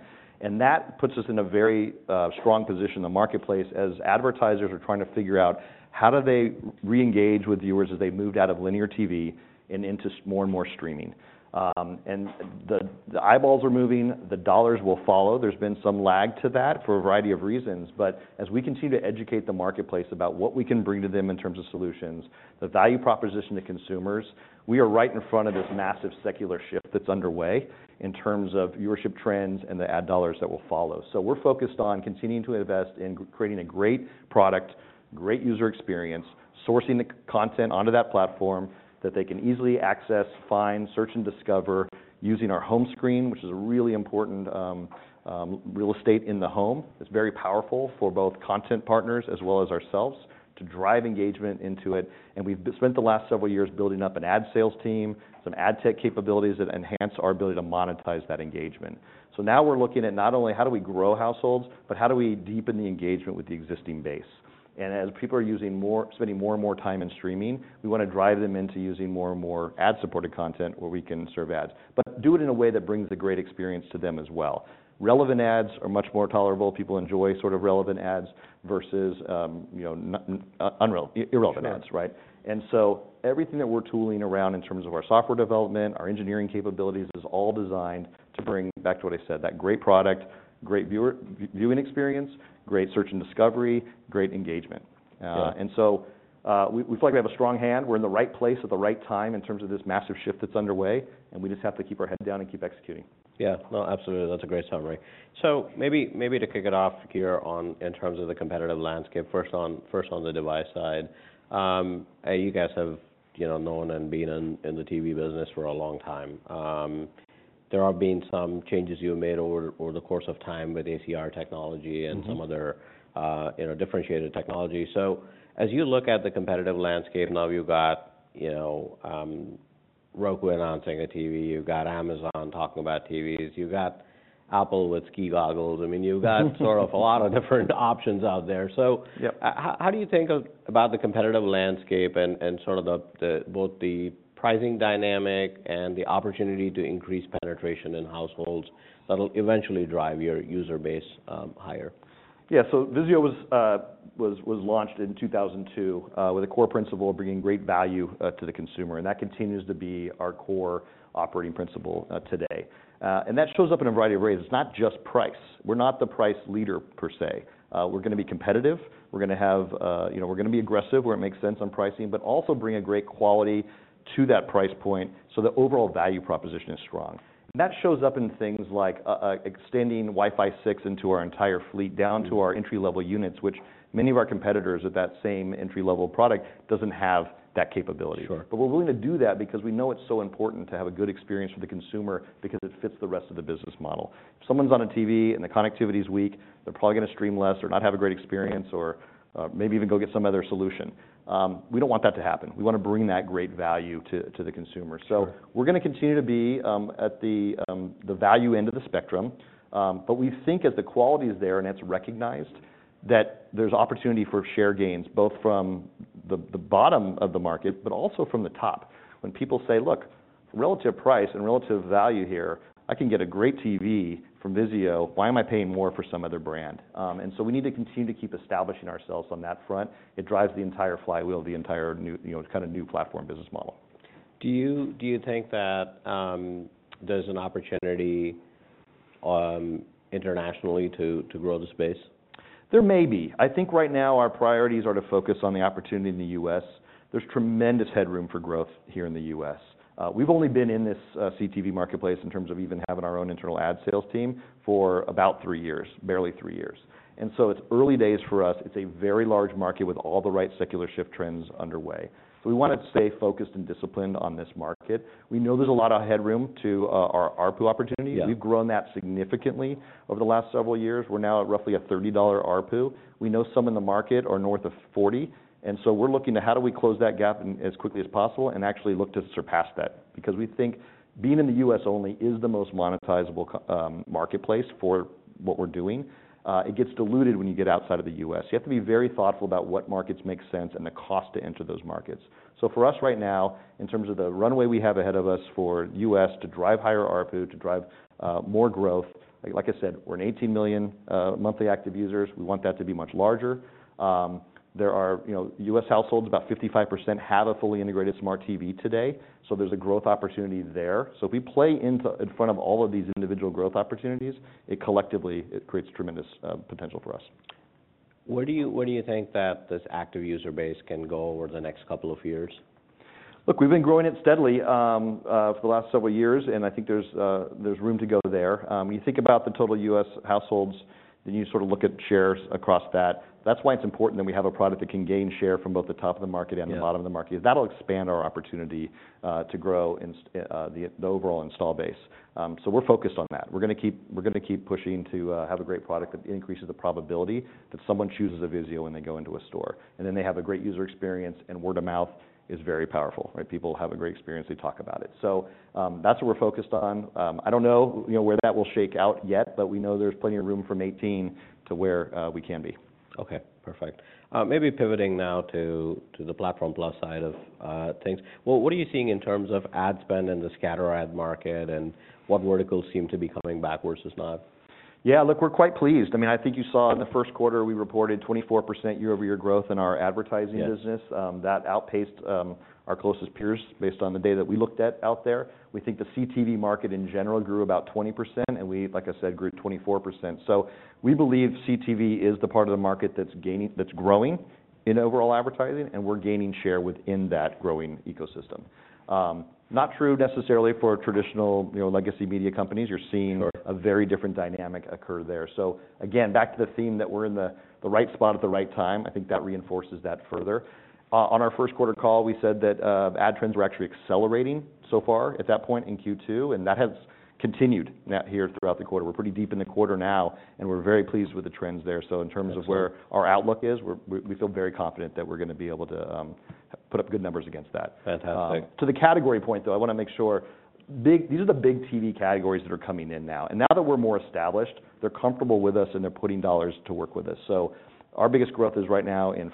That puts us in a very strong position in the marketplace as advertisers are trying to figure out how do they reengage with viewers as they've moved out of linear TV and into more and more streaming. The eyeballs are moving, the dollars will follow. There's been some lag to that for a variety of reasons, but as we continue to educate the marketplace about what we can bring to them in terms of solutions, the value proposition to consumers, we are right in front of this massive secular shift that's underway in terms of viewership trends and the ad dollars that will follow. We're focused on continuing to invest in creating a great product, great user experience, sourcing the content onto that platform that they can easily access, find, search, and discover using our home screen, which is a really important real estate in the home. It's very powerful for both content partners as well as ourselves to drive engagement into it, and we've spent the last several years building up an ad sales team, some ad tech capabilities that enhance our ability to monetize that engagement. Now we're looking at not only how do we grow households, but how do we deepen the engagement with the existing base? As people are spending more and more time in streaming, we wanna drive them into using more and more ad-supported content where we can serve ads, but do it in a way that brings the great experience to them as well. Relevant ads are much more tolerable. People enjoy sort of relevant ads versus, you know, unreal, irrelevant ads, right? Sure. Everything that we're tooling around in terms of our software development, our engineering capabilities, is all designed to bring back to what I said, that great product, great viewing experience, great search and discovery, great engagement. Yeah. We feel like we have a strong hand. We're in the right place at the right time in terms of this massive shift that's underway, and we just have to keep our head down and keep executing. Yeah. No, absolutely. That's a great summary. Maybe to kick it off here on, in terms of the competitive landscape, first, on the device side. You guys have, you know, known and been in the TV business for a long time. There are been some changes you've made over the course of time with ACR technology. Mm-hmm. Some other, you know, differentiated technology. As you look at the competitive landscape now, you've got, you know, Roku announcing a TV, you've got Amazon talking about TVs, you've got Apple with ski goggles. I mean, you've got sort of a lot of different options out there. Yep. How do you think about the competitive landscape and sort of the, both the pricing dynamic and the opportunity to increase penetration in households that'll eventually drive your user base, higher? Yeah. VIZIO was launched in 2002 with a core principle of bringing great value to the consumer, and that continues to be our core operating principle today. That shows up in a variety of ways. It's not just price. We're not the price leader, per se. We're gonna be competitive. We're gonna have, you know, we're gonna be aggressive where it makes sense on pricing, but also bring a great quality to that price point so the overall value proposition is strong. That shows up in things like extending Wi-Fi 6 into our entire fleet, down to our entry-level units, which many of our competitors at that same entry-level product doesn't have that capability. Sure. We're willing to do that because we know it's so important to have a good experience for the consumer because it fits the rest of the business model. If someone's on a TV and the connectivity is weak, they're probably gonna stream less or not have a great experience. Yeah... or, maybe even go get some other solution. We don't want that to happen. We wanna bring that great value to the consumer. Sure. We're gonna continue to be at the value end of the spectrum. We think as the quality is there, and it's recognized, that there's opportunity for share gains, both from the bottom of the market, but also from the top. When people say, "Look, relative price and relative value here, I can get a great TV from VIZIO. Why am I paying more for some other brand?" We need to continue to keep establishing ourselves on that front. It drives the entire flywheel, the entire new, you know, kind of new platform business model. Do you think that there's an opportunity internationally to grow the space? There may be. I think right now our priorities are to focus on the opportunity in the U.S.. There's tremendous headroom for growth here in the U.S.. We've only been in this, CTV marketplace, in terms of even having our own internal ad sales team, for about 3 years, barely 3 years. It's early days for us. It's a very large market with all the right secular shift trends underway. We wanna stay focused and disciplined on this market. We know there's a lot of headroom to, our ARPU opportunity. Yeah. We've grown that significantly over the last several years. We're now at roughly a $30 ARPU. We know some in the market are north of $40. We're looking to how do we close that gap as quickly as possible, actually look to surpass that. We think being in the U.S. only is the most monetizable marketplace for what we're doing. It gets diluted when you get outside of the U.S. You have to be very thoughtful about what markets make sense and the cost to enter those markets. For us right now, in terms of the runway we have ahead of us for U.S. to drive higher ARPU, to drive more growth. Like I said, we're an 18 million monthly active users. We want that to be much larger. There are, you know, U.S. households, about 55% have a fully integrated Smart TV today, so there's a growth opportunity there. If we play in front of all of these individual growth opportunities, it collectively, it creates tremendous potential for us. Where do you think that this active user base can go over the next couple of years? Look, we've been growing it steadily, for the last several years. I think there's room to go there. When you think about the total U.S. households, then you sort of look at shares across that. That's why it's important that we have a product that can gain share from both the top of the market. Yeah and the bottom of the market. That'll expand our opportunity to grow the overall install base. We're focused on that. We're gonna keep pushing to have a great product that increases the probability that someone chooses a VIZIO when they go into a store. They have a great user experience, and word of mouth is very powerful, right? People have a great experience, they talk about it. That's what we're focused on. I don't know, you know, where that will shake out yet, but we know there's plenty of room from 18 to where we can be. Okay, perfect. maybe pivoting now to the Platform Plus side of things. What are you seeing in terms of ad spend in the scatter ad market, and what verticals seem to be coming back versus not? Yeah, look, we're quite pleased. I mean, I think you saw in the first quarter, we reported 24% year-over-year growth in our advertising business. Yeah. That outpaced our closest peers, based on the data that we looked at out there. We think the CTV market in general grew about 20%, and we, like I said, grew 24%. We believe CTV is the part of the market that's growing in overall advertising, and we're gaining share within that growing ecosystem. Not true necessarily for traditional, you know, legacy media companies. Sure. You're seeing a very different dynamic occur there. Again, back to the theme that we're in the right spot at the right time, I think that reinforces that further. On our first quarter call, we said that ad trends were actually accelerating so far at that point in Q2, and that has continued now, here throughout the quarter. We're pretty deep in the quarter now, and we're very pleased with the trends there. Excellent. In terms of where our outlook is, we feel very confident that we're gonna be able to put up good numbers against that. Fantastic. To the category point, though, I wanna make sure. These are the big TV categories that are coming in now, and now that we're more established, they're comfortable with us, and they're putting dollars to work with us. Our biggest growth is right now in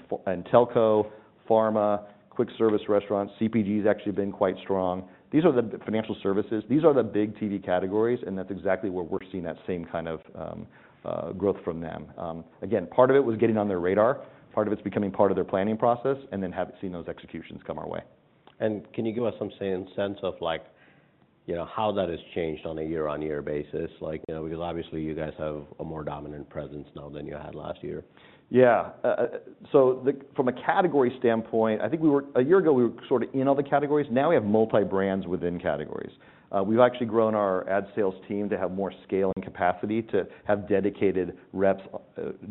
telco, pharma, quick-service restaurants. CPG has actually been quite strong. Financial services. These are the big TV categories, and that's exactly where we're seeing that same kind of growth from them. Part of it was getting on their radar, part of it's becoming part of their planning process, and then seeing those executions come our way. Can you give us some sense of like, you know, how that has changed on a year-on-year basis, like, you know, because obviously you guys have a more dominant presence now than you had last year? Yeah. From a category standpoint, I think a year ago, we were sort of in all the categories. Now, we have multi-brands within categories. We've actually grown our ad sales team to have more scale and capacity to have dedicated reps, you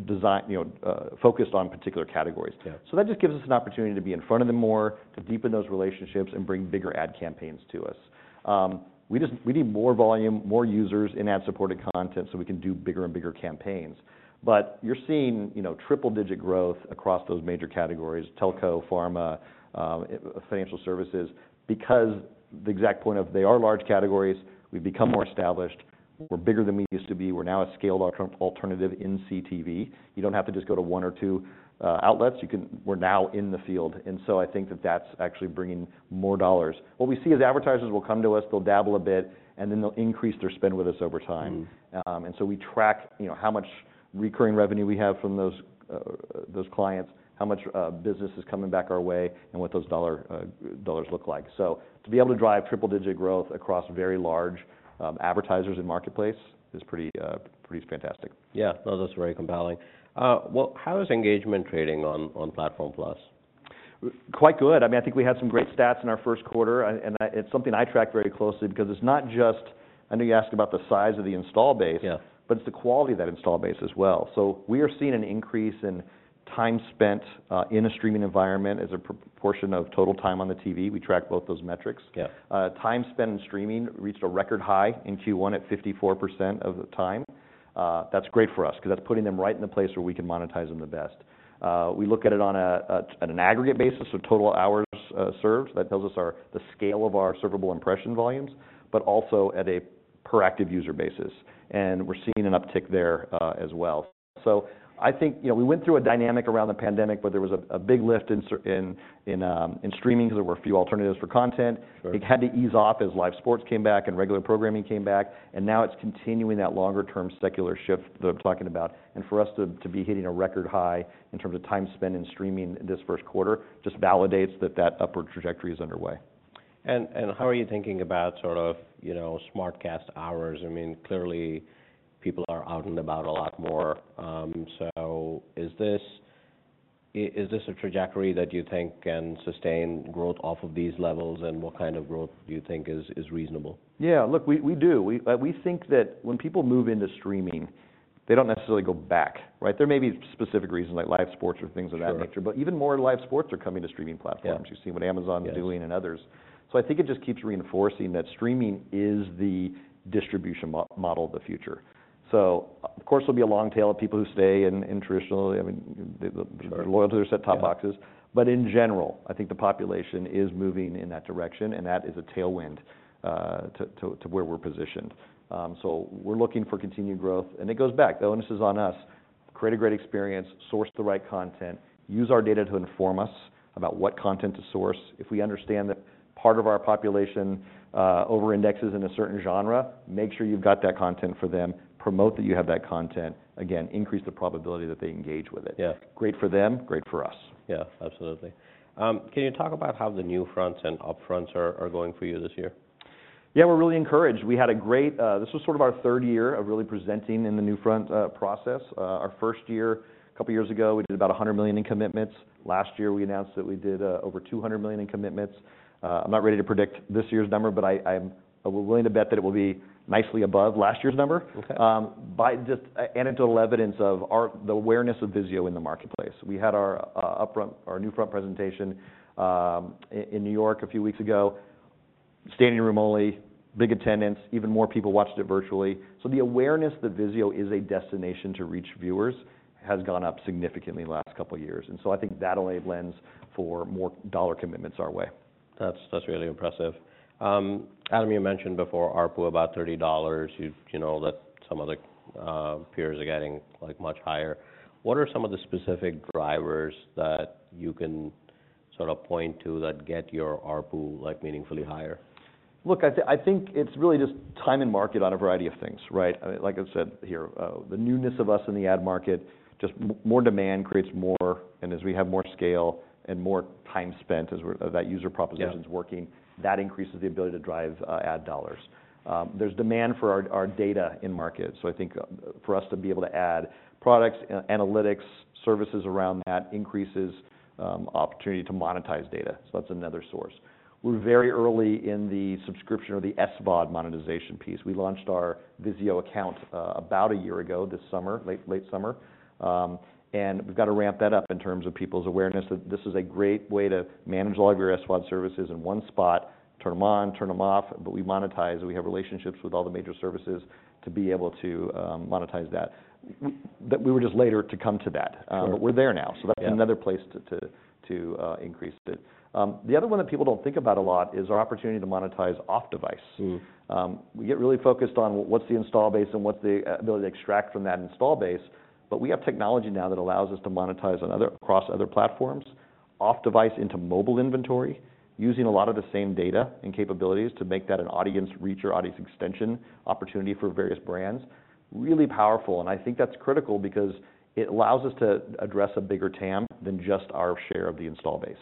know, focused on particular categories. Yeah. That just gives us an opportunity to be in front of them more, to deepen those relationships and bring bigger ad campaigns to us. We just, we need more volume, more users in ad-supported content so we can do bigger and bigger campaigns. You're seeing, you know, triple-digit growth across those major categories: telco, pharma, financial services. The exact point of they are large categories, we've become more established. We're bigger than we used to be. We're now a scaled alternative in CTV. You don't have to just go to one or two outlets, we're now in the field, I think that that's actually bringing more dollars. What we see is advertisers will come to us, they'll dabble a bit, and then they'll increase their spend with us over time. Mm. We track, you know, how much recurring revenue we have from those clients, how much business is coming back our way, and what those dollars look like. To be able to drive triple-digit growth across very large advertisers in marketplace is pretty fantastic. Yeah. No, that's very compelling. Well, how is engagement trading on Platform+? Quite good. I mean, I think we had some great stats in our first quarter, and it's something I track very closely because it's not just... I know you asked about the size of the install base- Yeah It's the quality of that install base as well. We are seeing an increase in time spent, in a streaming environment as a portion of total time on the TV. We track both those metrics. Yeah. Time spent in streaming reached a record high in Q1 at 54% of the time. That's great for us 'cause that's putting them right in the place where we can monetize them the best. We look at it on an aggregate basis, so total hours served. That tells us the scale of our servable impression volumes, but also at a per active user basis, and we're seeing an uptick there as well. I think, you know, we went through a dynamic around the pandemic, where there was a big lift in streaming because there were a few alternatives for content. Sure. It had to ease off as live sports came back and regular programming came back, and now it's continuing that longer-term secular shift that I'm talking about. For us to be hitting a record high in terms of time spent in streaming this first quarter, just validates that that upward trajectory is underway. How are you thinking about sort of, you know, SmartCast hours? I mean, clearly, people are out and about a lot more. Is this a trajectory that you think can sustain growth off of these levels? What kind of growth do you think is reasonable? Yeah. Look, we do. We think that when people move into streaming, they don't necessarily go back, right? There may be specific reasons, like live sports or things of that nature. Sure Even more live sports are coming to streaming platforms. Yeah. You see what Amazon- Yes is doing and others. I think it just keeps reinforcing that streaming is the distribution model of the future. Of course, there'll be a long tail of people who stay in traditional. I mean. Sure... loyal to their set-top boxes. Yeah. In general, I think the population is moving in that direction, and that is a tailwind to where we're positioned. We're looking for continued growth, and it goes back. The onus is on us. Create a great experience, source the right content, use our data to inform us about what content to source. If we understand that part of our population over-indexes in a certain genre, make sure you've got that content for them. Promote that you have that content. Again, increase the probability that they engage with it. Yeah. Great for them, great for us. Yeah, absolutely. Can you talk about how the NewFronts and upfronts are going for you this year? Yeah, we're really encouraged. We had a great. This was sort of our third year of really presenting in the NewFront process. Our first year, a couple of years ago, we did about $100 million in commitments. Last year, we announced that we did over $200 million in commitments. I'm not ready to predict this year's number, but I'm willing to bet that it will be nicely above last year's number. Okay. By just anecdotal evidence of the awareness of VIZIO in the marketplace. We had our upfront, our NNewFront presentation in New York a few weeks ago. Standing room only, big attendance, even more people watched it virtually. The awareness that VIZIO is a destination to reach viewers has gone up significantly in the last couple of years, and so I think that alone lends for more dollar commitments our way. That's really impressive. Adam, you mentioned before ARPU about $30. You know, that some of the peers are getting, like, much higher. What are some of the specific drivers that you can sort of point to that get your ARPU, like, meaningfully higher? Look, I think it's really just time and market on a variety of things, right? I mean, like I said here, the newness of us in the ad market, just more demand creates more, and as we have more scale and more time spent, as we're that user proposition... Yeah is working, that increases the ability to drive ad dollars. There's demand for our data in market, for us to be able to add products, analytics, services around that, increases opportunity to monetize data. That's another source. We're very early in the subscription or the SVOD monetization piece. We launched our VIZIO Account about a year ago, this summer, late summer. We've got to ramp that up in terms of people's awareness, that this is a great way to manage all of your SVOD services in one spot, turn them on, turn them off, but we monetize, and we have relationships with all the major services to be able to monetize that. We were just later to come to that. Sure. We're there now. Yeah That's another place to increase it. The other one that people don't think about a lot is our opportunity to monetize off device. Mm. We get really focused on what's the install base and what's the ability to extract from that install base, but we have technology now that allows us to monetize across other platforms, off device into mobile inventory, using a lot of the same data and capabilities to make that an audience reach or audience extension opportunity for various brands. Really powerful, and I think that's critical because it allows us to address a bigger TAM than just our share of the install base.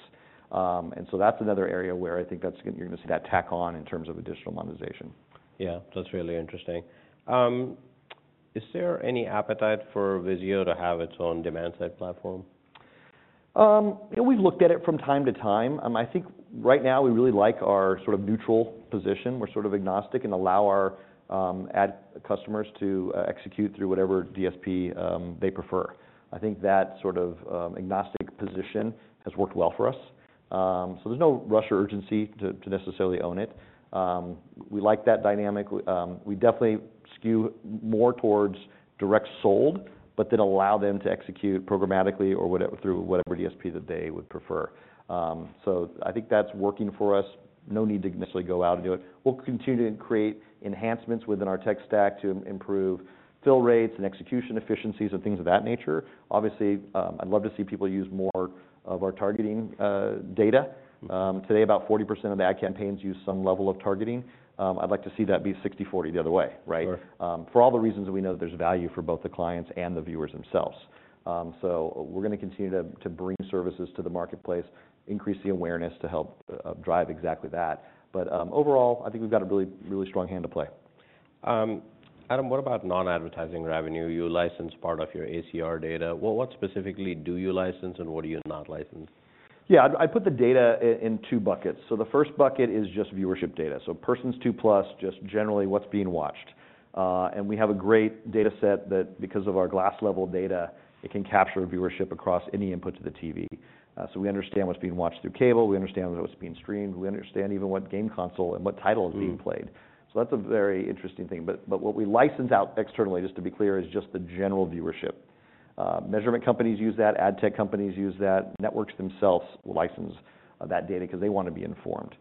That's another area where I think that's, you're gonna see that tack on in terms of additional monetization. Yeah. That's really interesting. Is there any appetite for VIZIO to have its own demand side platform? Yeah, we've looked at it from time to time. I think right now we really like our sort of neutral position. We're sort of agnostic and allow our ad customers to execute through whatever DSP they prefer. I think that sort of agnostic position has worked well for us. There's no rush or urgency to necessarily own it. We like that dynamic. We definitely skew more towards direct sold, but then allow them to execute programmatically or through whatever DSP that they would prefer. I think that's working for us. No need to necessarily go out and do it. We'll continue to create enhancements within our tech stack to improve fill rates and execution efficiencies, and things of that nature. Obviously, I'd love to see people use more of our targeting data. Today, about 40% of the ad campaigns use some level of targeting. I'd like to see that be 60-40 the other way, right? Sure. For all the reasons that we know there's value for both the clients and the viewers themselves. We're gonna continue to bring services to the marketplace, increase the awareness to help drive exactly that. Overall, I think we've got a really, really strong hand to play. Adam, what about non-advertising revenue? You license part of your ACR data. Well, what specifically do you license, and what do you not license? I put the data in two buckets. The first bucket is just viewership data, so persons two plus, just generally what's being watched. We have a great data set that, because of our glass level data, it can capture viewership across any input to the TV. We understand what's being watched through cable, we understand what's being streamed, we understand even what game console and what title... Mm... is being played. That's a very interesting thing. What we license out externally, just to be clear, is just the general viewership. Measurement companies use that, ad tech companies use that, networks themselves will license that data 'cause they want to be informed.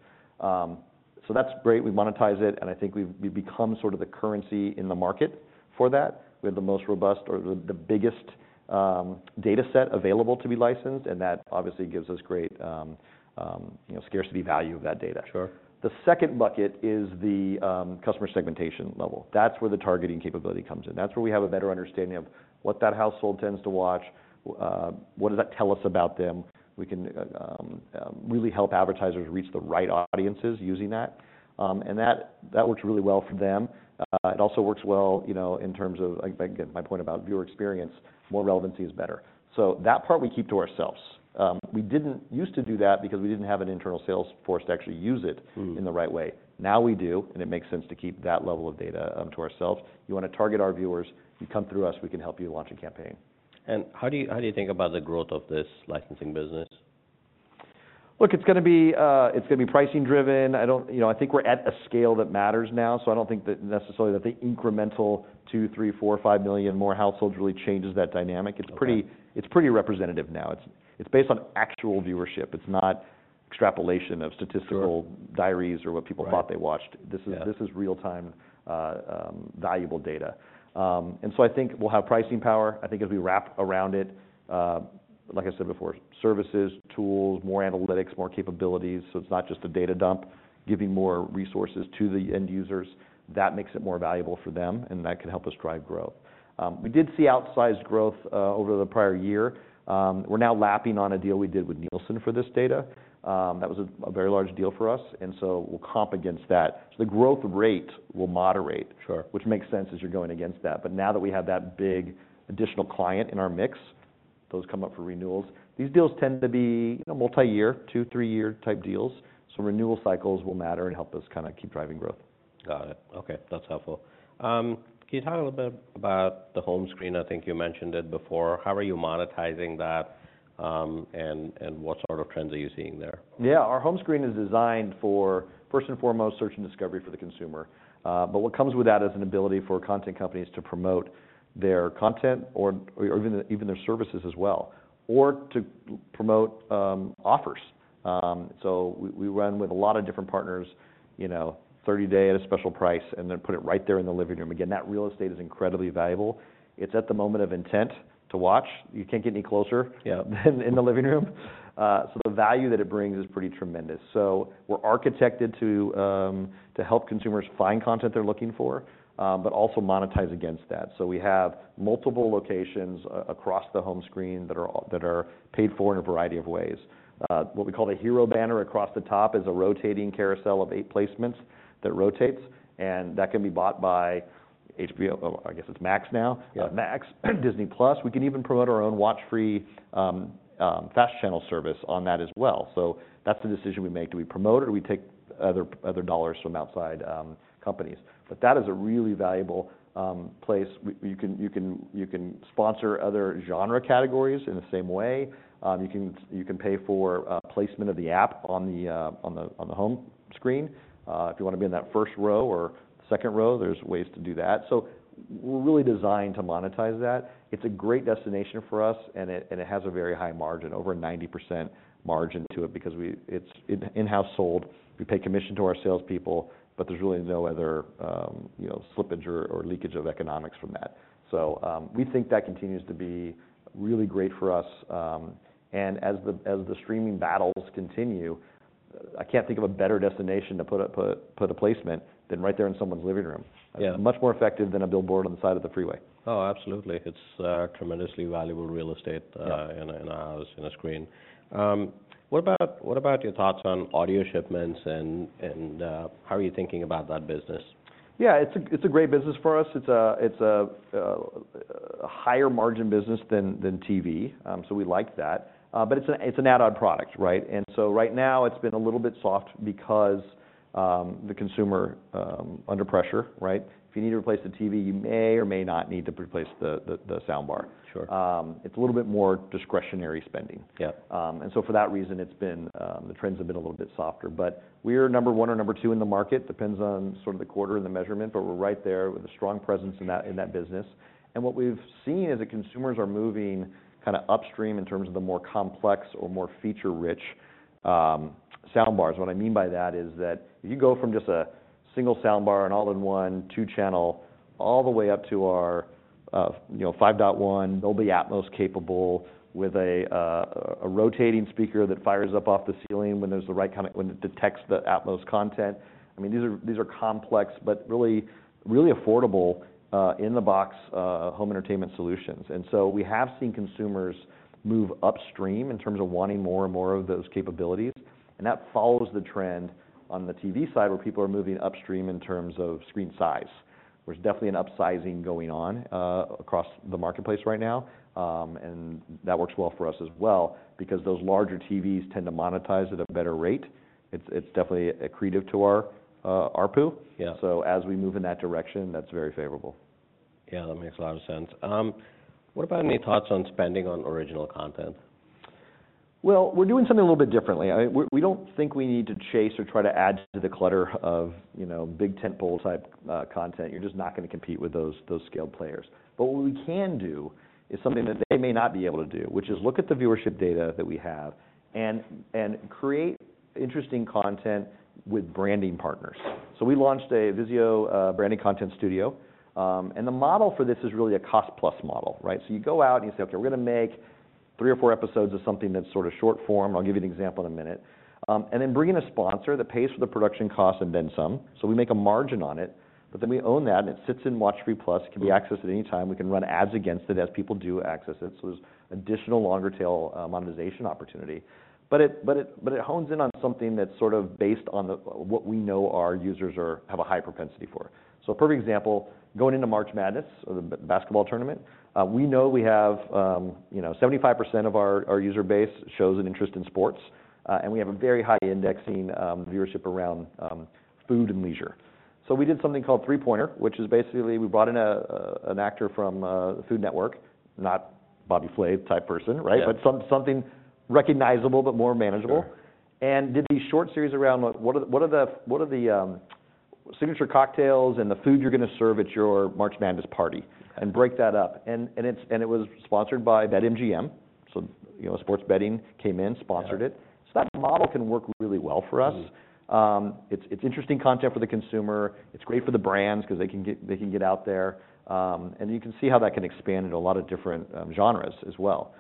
That's great, we monetize it, and I think we've become sort of the currency in the market for that. We have the most robust or the biggest data set available to be licensed, and that obviously gives us great, you know, scarcity value of that data. Sure. The second bucket is the customer segmentation level. That's where the targeting capability comes in. That's where we have a better understanding of what that household tends to watch, what does that tell us about them? We can really help advertisers reach the right audiences using that. That, that works really well for them. It also works well, you know, in terms of, like, again, my point about viewer experience, more relevancy is better. That part we keep to ourselves. We didn't used to do that because we didn't have an internal sales force to actually use it. Mm... in the right way. We do, and it makes sense to keep that level of data to ourselves. You wanna target our viewers, you come through us, we can help you launch a campaign. How do you think about the growth of this licensing business? Look, it's gonna be, it's gonna be pricing driven. You know, I think we're at a scale that matters now, so I don't think that necessarily that the incremental 2, 3, 4, 5 million more households really changes that dynamic. Okay. It's pretty representative now. It's based on actual viewership. It's not extrapolation. Sure... diaries or what. Right... thought they watched. Yeah. This is real-time, valuable data. I think we'll have pricing power. I think as we wrap around it, like I said before, services, tools, more analytics, more capabilities, so it's not just a data dump. Giving more resources to the end users, that makes it more valuable for them, and that can help us drive growth. We did see outsized growth over the prior year. We're now lapping on a deal we did with Nielsen for this data. That was a very large deal for us, and so we'll comp against that. The growth rate will moderate. Sure... which makes sense as you're going against that. Now that we have that big additional client in our mix, those come up for renewals. These deals tend to be, you know, multi-year, two, three-year type deals, renewal cycles will matter and help us kinda keep driving growth. Got it. Okay, that's helpful. Can you talk a little bit about the home screen? I think you mentioned it before. How are you monetizing that, and what sort of trends are you seeing there? Yeah. Our home screen is designed for, first and foremost, search and discovery for the consumer. What comes with that is an ability for content companies to promote their content or even their services as well, or to promote offers. We run with a lot of different partners, you know, 30 day at a special price, and then put it right there in the living room. Again, that real estate is incredibly valuable. It's at the moment of intent to watch. You can't get any closer- Yeah... than in the living room. The value that it brings is pretty tremendous. We're architected to help consumers find content they're looking for, but also monetize against that. We have multiple locations across the home screen that are paid for in a variety of ways. What we call the hero banner across the top is a rotating carousel of eight placements that rotates, and that can be bought by HBO, oh, I guess it's Max now. Yeah. Max, Disney+. We can even promote our own WatchFree+, FAST channel service on that as well. That's the decision we make. Do we promote, or do we take other dollars from outside companies? That is a really valuable place. You can sponsor other genre categories in the same way. You can pay for placement of the app on the home screen. If you wanna be in that first row or second row, there's ways to do that. We're really designed to monetize that. It's a great destination for us, and it has a very high margin, over 90% margin to it because it's in-house sold. We pay commission to our salespeople. There's really no other, you know, slippage or leakage of economics from that. We think that continues to be really great for us. As the streaming battles continue, I can't think of a better destination to put a placement than right there in someone's living room. Yeah. Much more effective than a billboard on the side of the freeway. Oh, absolutely. It's tremendously valuable real estate. Yeah... in a screen. What about your thoughts on audio shipments, and how are you thinking about that business? Yeah, it's a great business for us. It's a higher margin business than TV, so we like that. But it's an add-on product, right? Right now, it's been a little bit soft because the consumer under pressure, right? If you need to replace the TV, you may or may not need to replace the soundbar. Sure. It's a little bit more discretionary spending. Yeah. For that reason, it's been the trends have been a little bit softer. We are number one or number two in the market, depends on sort of the quarter and the measurement, but we're right there with a strong presence in that business. What we've seen is that consumers are moving kind of upstream in terms of the more complex or more feature-rich soundbars. What I mean by that is that you go from just a single soundbar, an all-in-one, 2-channel, all the way up to our, you know, 5.1. They'll be Atmos-capable with a rotating speaker that fires up off the ceiling when there's the right kind of when it detects the Atmos content. I mean, these are complex but really, really affordable, in-the-box, home entertainment solutions. We have seen consumers move upstream in terms of wanting more and more of those capabilities, and that follows the trend on the TV side, where people are moving upstream in terms of screen size. There's definitely an upsizing going on, across the marketplace right now, and that works well for us as well, because those larger TVs tend to monetize at a better rate. It's definitely accretive to our ARPU. Yeah. As we move in that direction, that's very favorable. Yeah, that makes a lot of sense. What about any thoughts on spending on original content? Well, we don't think we need to chase or try to add to the clutter of, you know, big tentpole-type content. You're just not gonna compete with those scaled players. What we can do is something that they may not be able to do, which is look at the viewership data that we have and create interesting content with branding partners. We launched a VIZIO branding content studio. The model for this is really a cost-plus model, right? You go out, and you say, "Okay, we're gonna make 3 or 4 episodes of something that's sort of short form," I'll give you an example in a minute, and then bring in a sponsor that pays for the production cost and then some. We make a margin on it, we own that, and it sits in WatchFree+. It can be accessed at any time. We can run ads against it as people do access it, so there's additional longer tail monetization opportunity. It hones in on something that's sort of based on what we know our users have a high propensity for. A perfect example, going into March Madness, or the basketball tournament, we know we have, you know, 75% of our user base shows an interest in sports, and we have a very high indexing viewership around food and leisure. We did something called Three Pointer, which is basically, we brought in an actor from the Food Network, not Bobby Flay-type person, right? Yeah. Something recognizable, but more manageable. Sure. Did these short series around what are the, what are the signature cocktails and the food you're gonna serve at your March Madness party, and break that up. It was sponsored by BetMGM, so, you know, sports betting came in, sponsored it. Yeah. That model can work really well for us. Mm-hmm. It's interesting content for the consumer. It's great for the brands, 'cause they can get out there. You can see how that can expand into a lot of different genres as well.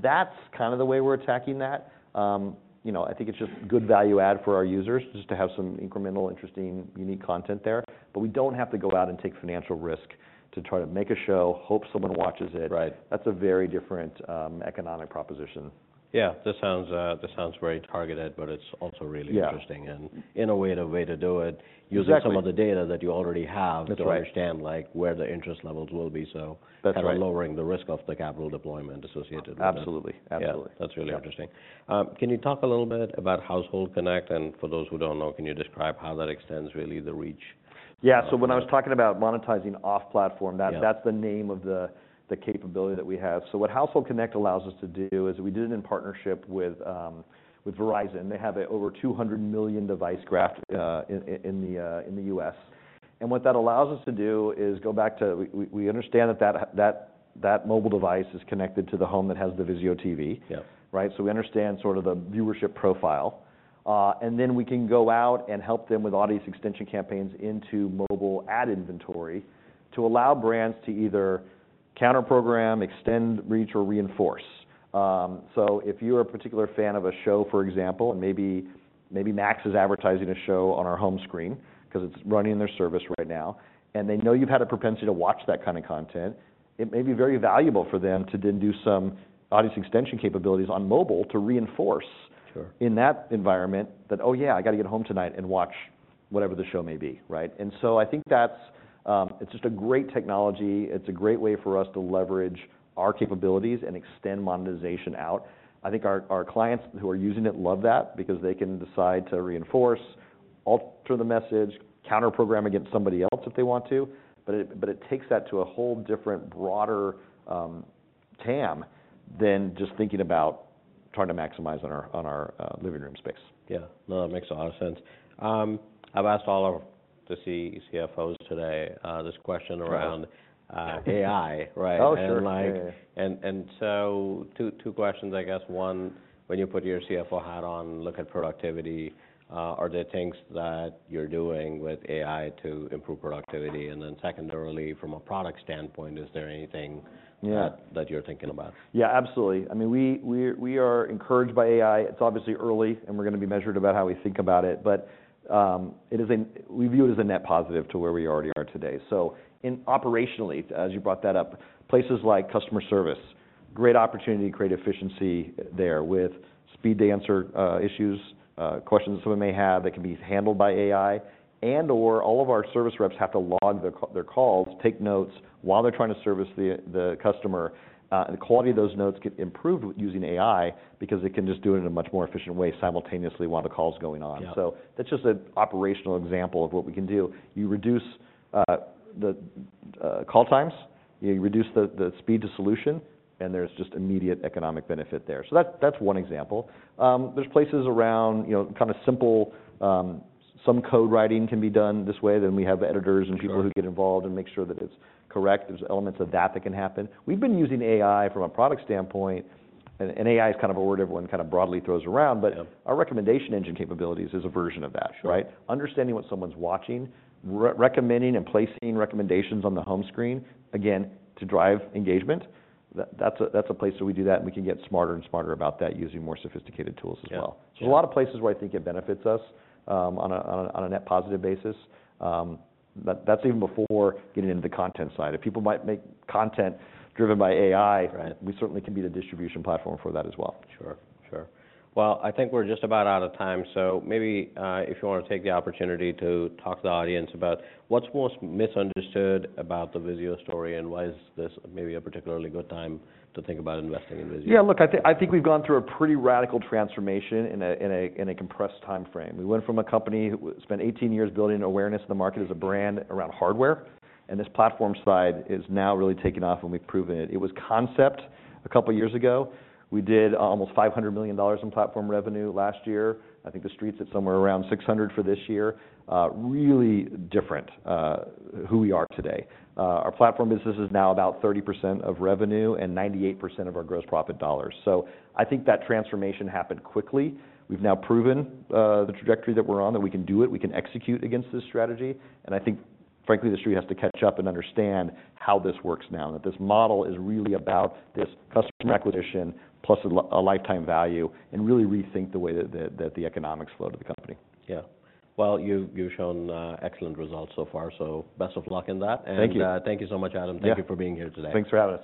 That's kind of the way we're attacking that. You know, I think it's just good value add for our users, just to have some incremental, interesting, unique content there. We don't have to go out and take financial risk to try to make a show, hope someone watches it. Right. That's a very different, economic proposition. Yeah. This sounds very targeted, but it's also really interesting. Yeah... and in a weird way to do it... Exactly using some of the data that you already have. That's right. to understand, like, where the interest levels will be. That's right. kind of lowering the risk of the capital deployment associated with it. Absolutely. Absolutely. Yeah. Yeah. That's really interesting. Can you talk a little bit about Household Connect? For those who don't know, can you describe how that extends, really, the reach? Yeah, when I was talking about monetizing off platform- Yeah... that's the name of the capability that we have. What Household Connect allows us to do is, we did it in partnership with Verizon. They have a over 200 million device graph in the U.S. What that allows us to do is go back to... We understand that mobile device is connected to the home that has the VIZIO TV. Yeah. Right? We understand sort of the viewership profile. Then we can go out and help them with audience extension campaigns into mobile ad inventory, to allow brands to either counter-program, extend reach, or reinforce. If you're a particular fan of a show, for example, and maybe Max is advertising a show on our home screen, 'cause it's running their service right now, and they know you've had a propensity to watch that kind of content, it may be very valuable for them to then do some audience extension capabilities on mobile to reinforce- Sure... in that environment, that, "Oh, yeah, I gotta get home tonight and watch..." whatever the show may be, right? I think that's, it's just a great technology. It's a great way for us to leverage our capabilities and extend monetization out. I think our clients who are using it love that, because they can decide to reinforce, alter the message, counter-program against somebody else if they want to, but it takes that to a whole different, broader TAM than just thinking about trying to maximize on our living room space. Yeah. No, that makes a lot of sense. I've asked all of the CFOs today, this question around. Sure... AI, right? Oh, sure. And like- Yeah. Two questions, I guess. One, when you put your CFO hat on and look at productivity, are there things that you're doing with AI to improve productivity? Secondarily, from a product standpoint, is there anything. Yeah... that you're thinking about? Yeah, absolutely. I mean, we are encouraged by AI. It's obviously early, and we're gonna be measured about how we think about it, but it is a... We view it as a net positive to where we already are today. In operationally, as you brought that up, places like customer service, great opportunity to create efficiency there with speed to answer issues, questions someone may have, that can be handled by AI, and/or all of our service reps have to log their calls, take notes while they're trying to service the customer. The quality of those notes can improve with using AI, because it can just do it in a much more efficient way, simultaneously, while the call's going on. Yeah. That's just an operational example of what we can do. You reduce the call times, you reduce the speed to solution, and there's just immediate economic benefit there. That's one example. There's places around, you know, kind of simple, some code writing can be done this way, then we have editors. Sure... who get involved and make sure that it's correct. There's elements of that that can happen. We've been using AI from a product standpoint, and AI is kind of a word everyone kind of broadly throws around. Yeah. Our recommendation engine capabilities is a version of that, right? Sure. Understanding what someone's watching, re- recommending and placing recommendations on the home screen, again, to drive engagement. That's a place where we do that, and we can get smarter and smarter about that, using more sophisticated tools as well. Yeah. Yeah. A lot of places where I think it benefits us, on a net positive basis. That's even before getting into the content side. If people might make content driven by AI. Right we certainly can be the distribution platform for that as well. Sure. Sure. I think we're just about out of time, so maybe, if you wanna take the opportunity to talk to the audience about what's most misunderstood about the VIZIO story, and why is this maybe a particularly good time to think about investing in VIZIO? Look, I think we've gone through a pretty radical transformation in a compressed timeframe. We went from a company who spent 18 years building awareness in the market as a brand around hardware. This platform side is now really taking off, and we've proven it. It was concept a couple of years ago. We did almost $500 million in platform revenue last year. I think the street's at somewhere around $600 million for this year. Really different who we are today. Our platform business is now about 30% of revenue and 98% of our gross profit dollars. I think that transformation happened quickly. We've now proven the trajectory that we're on, that we can do it, we can execute against this strategy. I think, frankly, the Street has to catch up and understand how this works now, and that this model is really about this customer acquisition, plus a lifetime value, and really rethink the way that the economics flow to the company. Yeah. Well, you've shown excellent results so far, best of luck in that. Thank you. Thank you so much, Adam. Yeah. Thank you for being here today. Thanks for having us.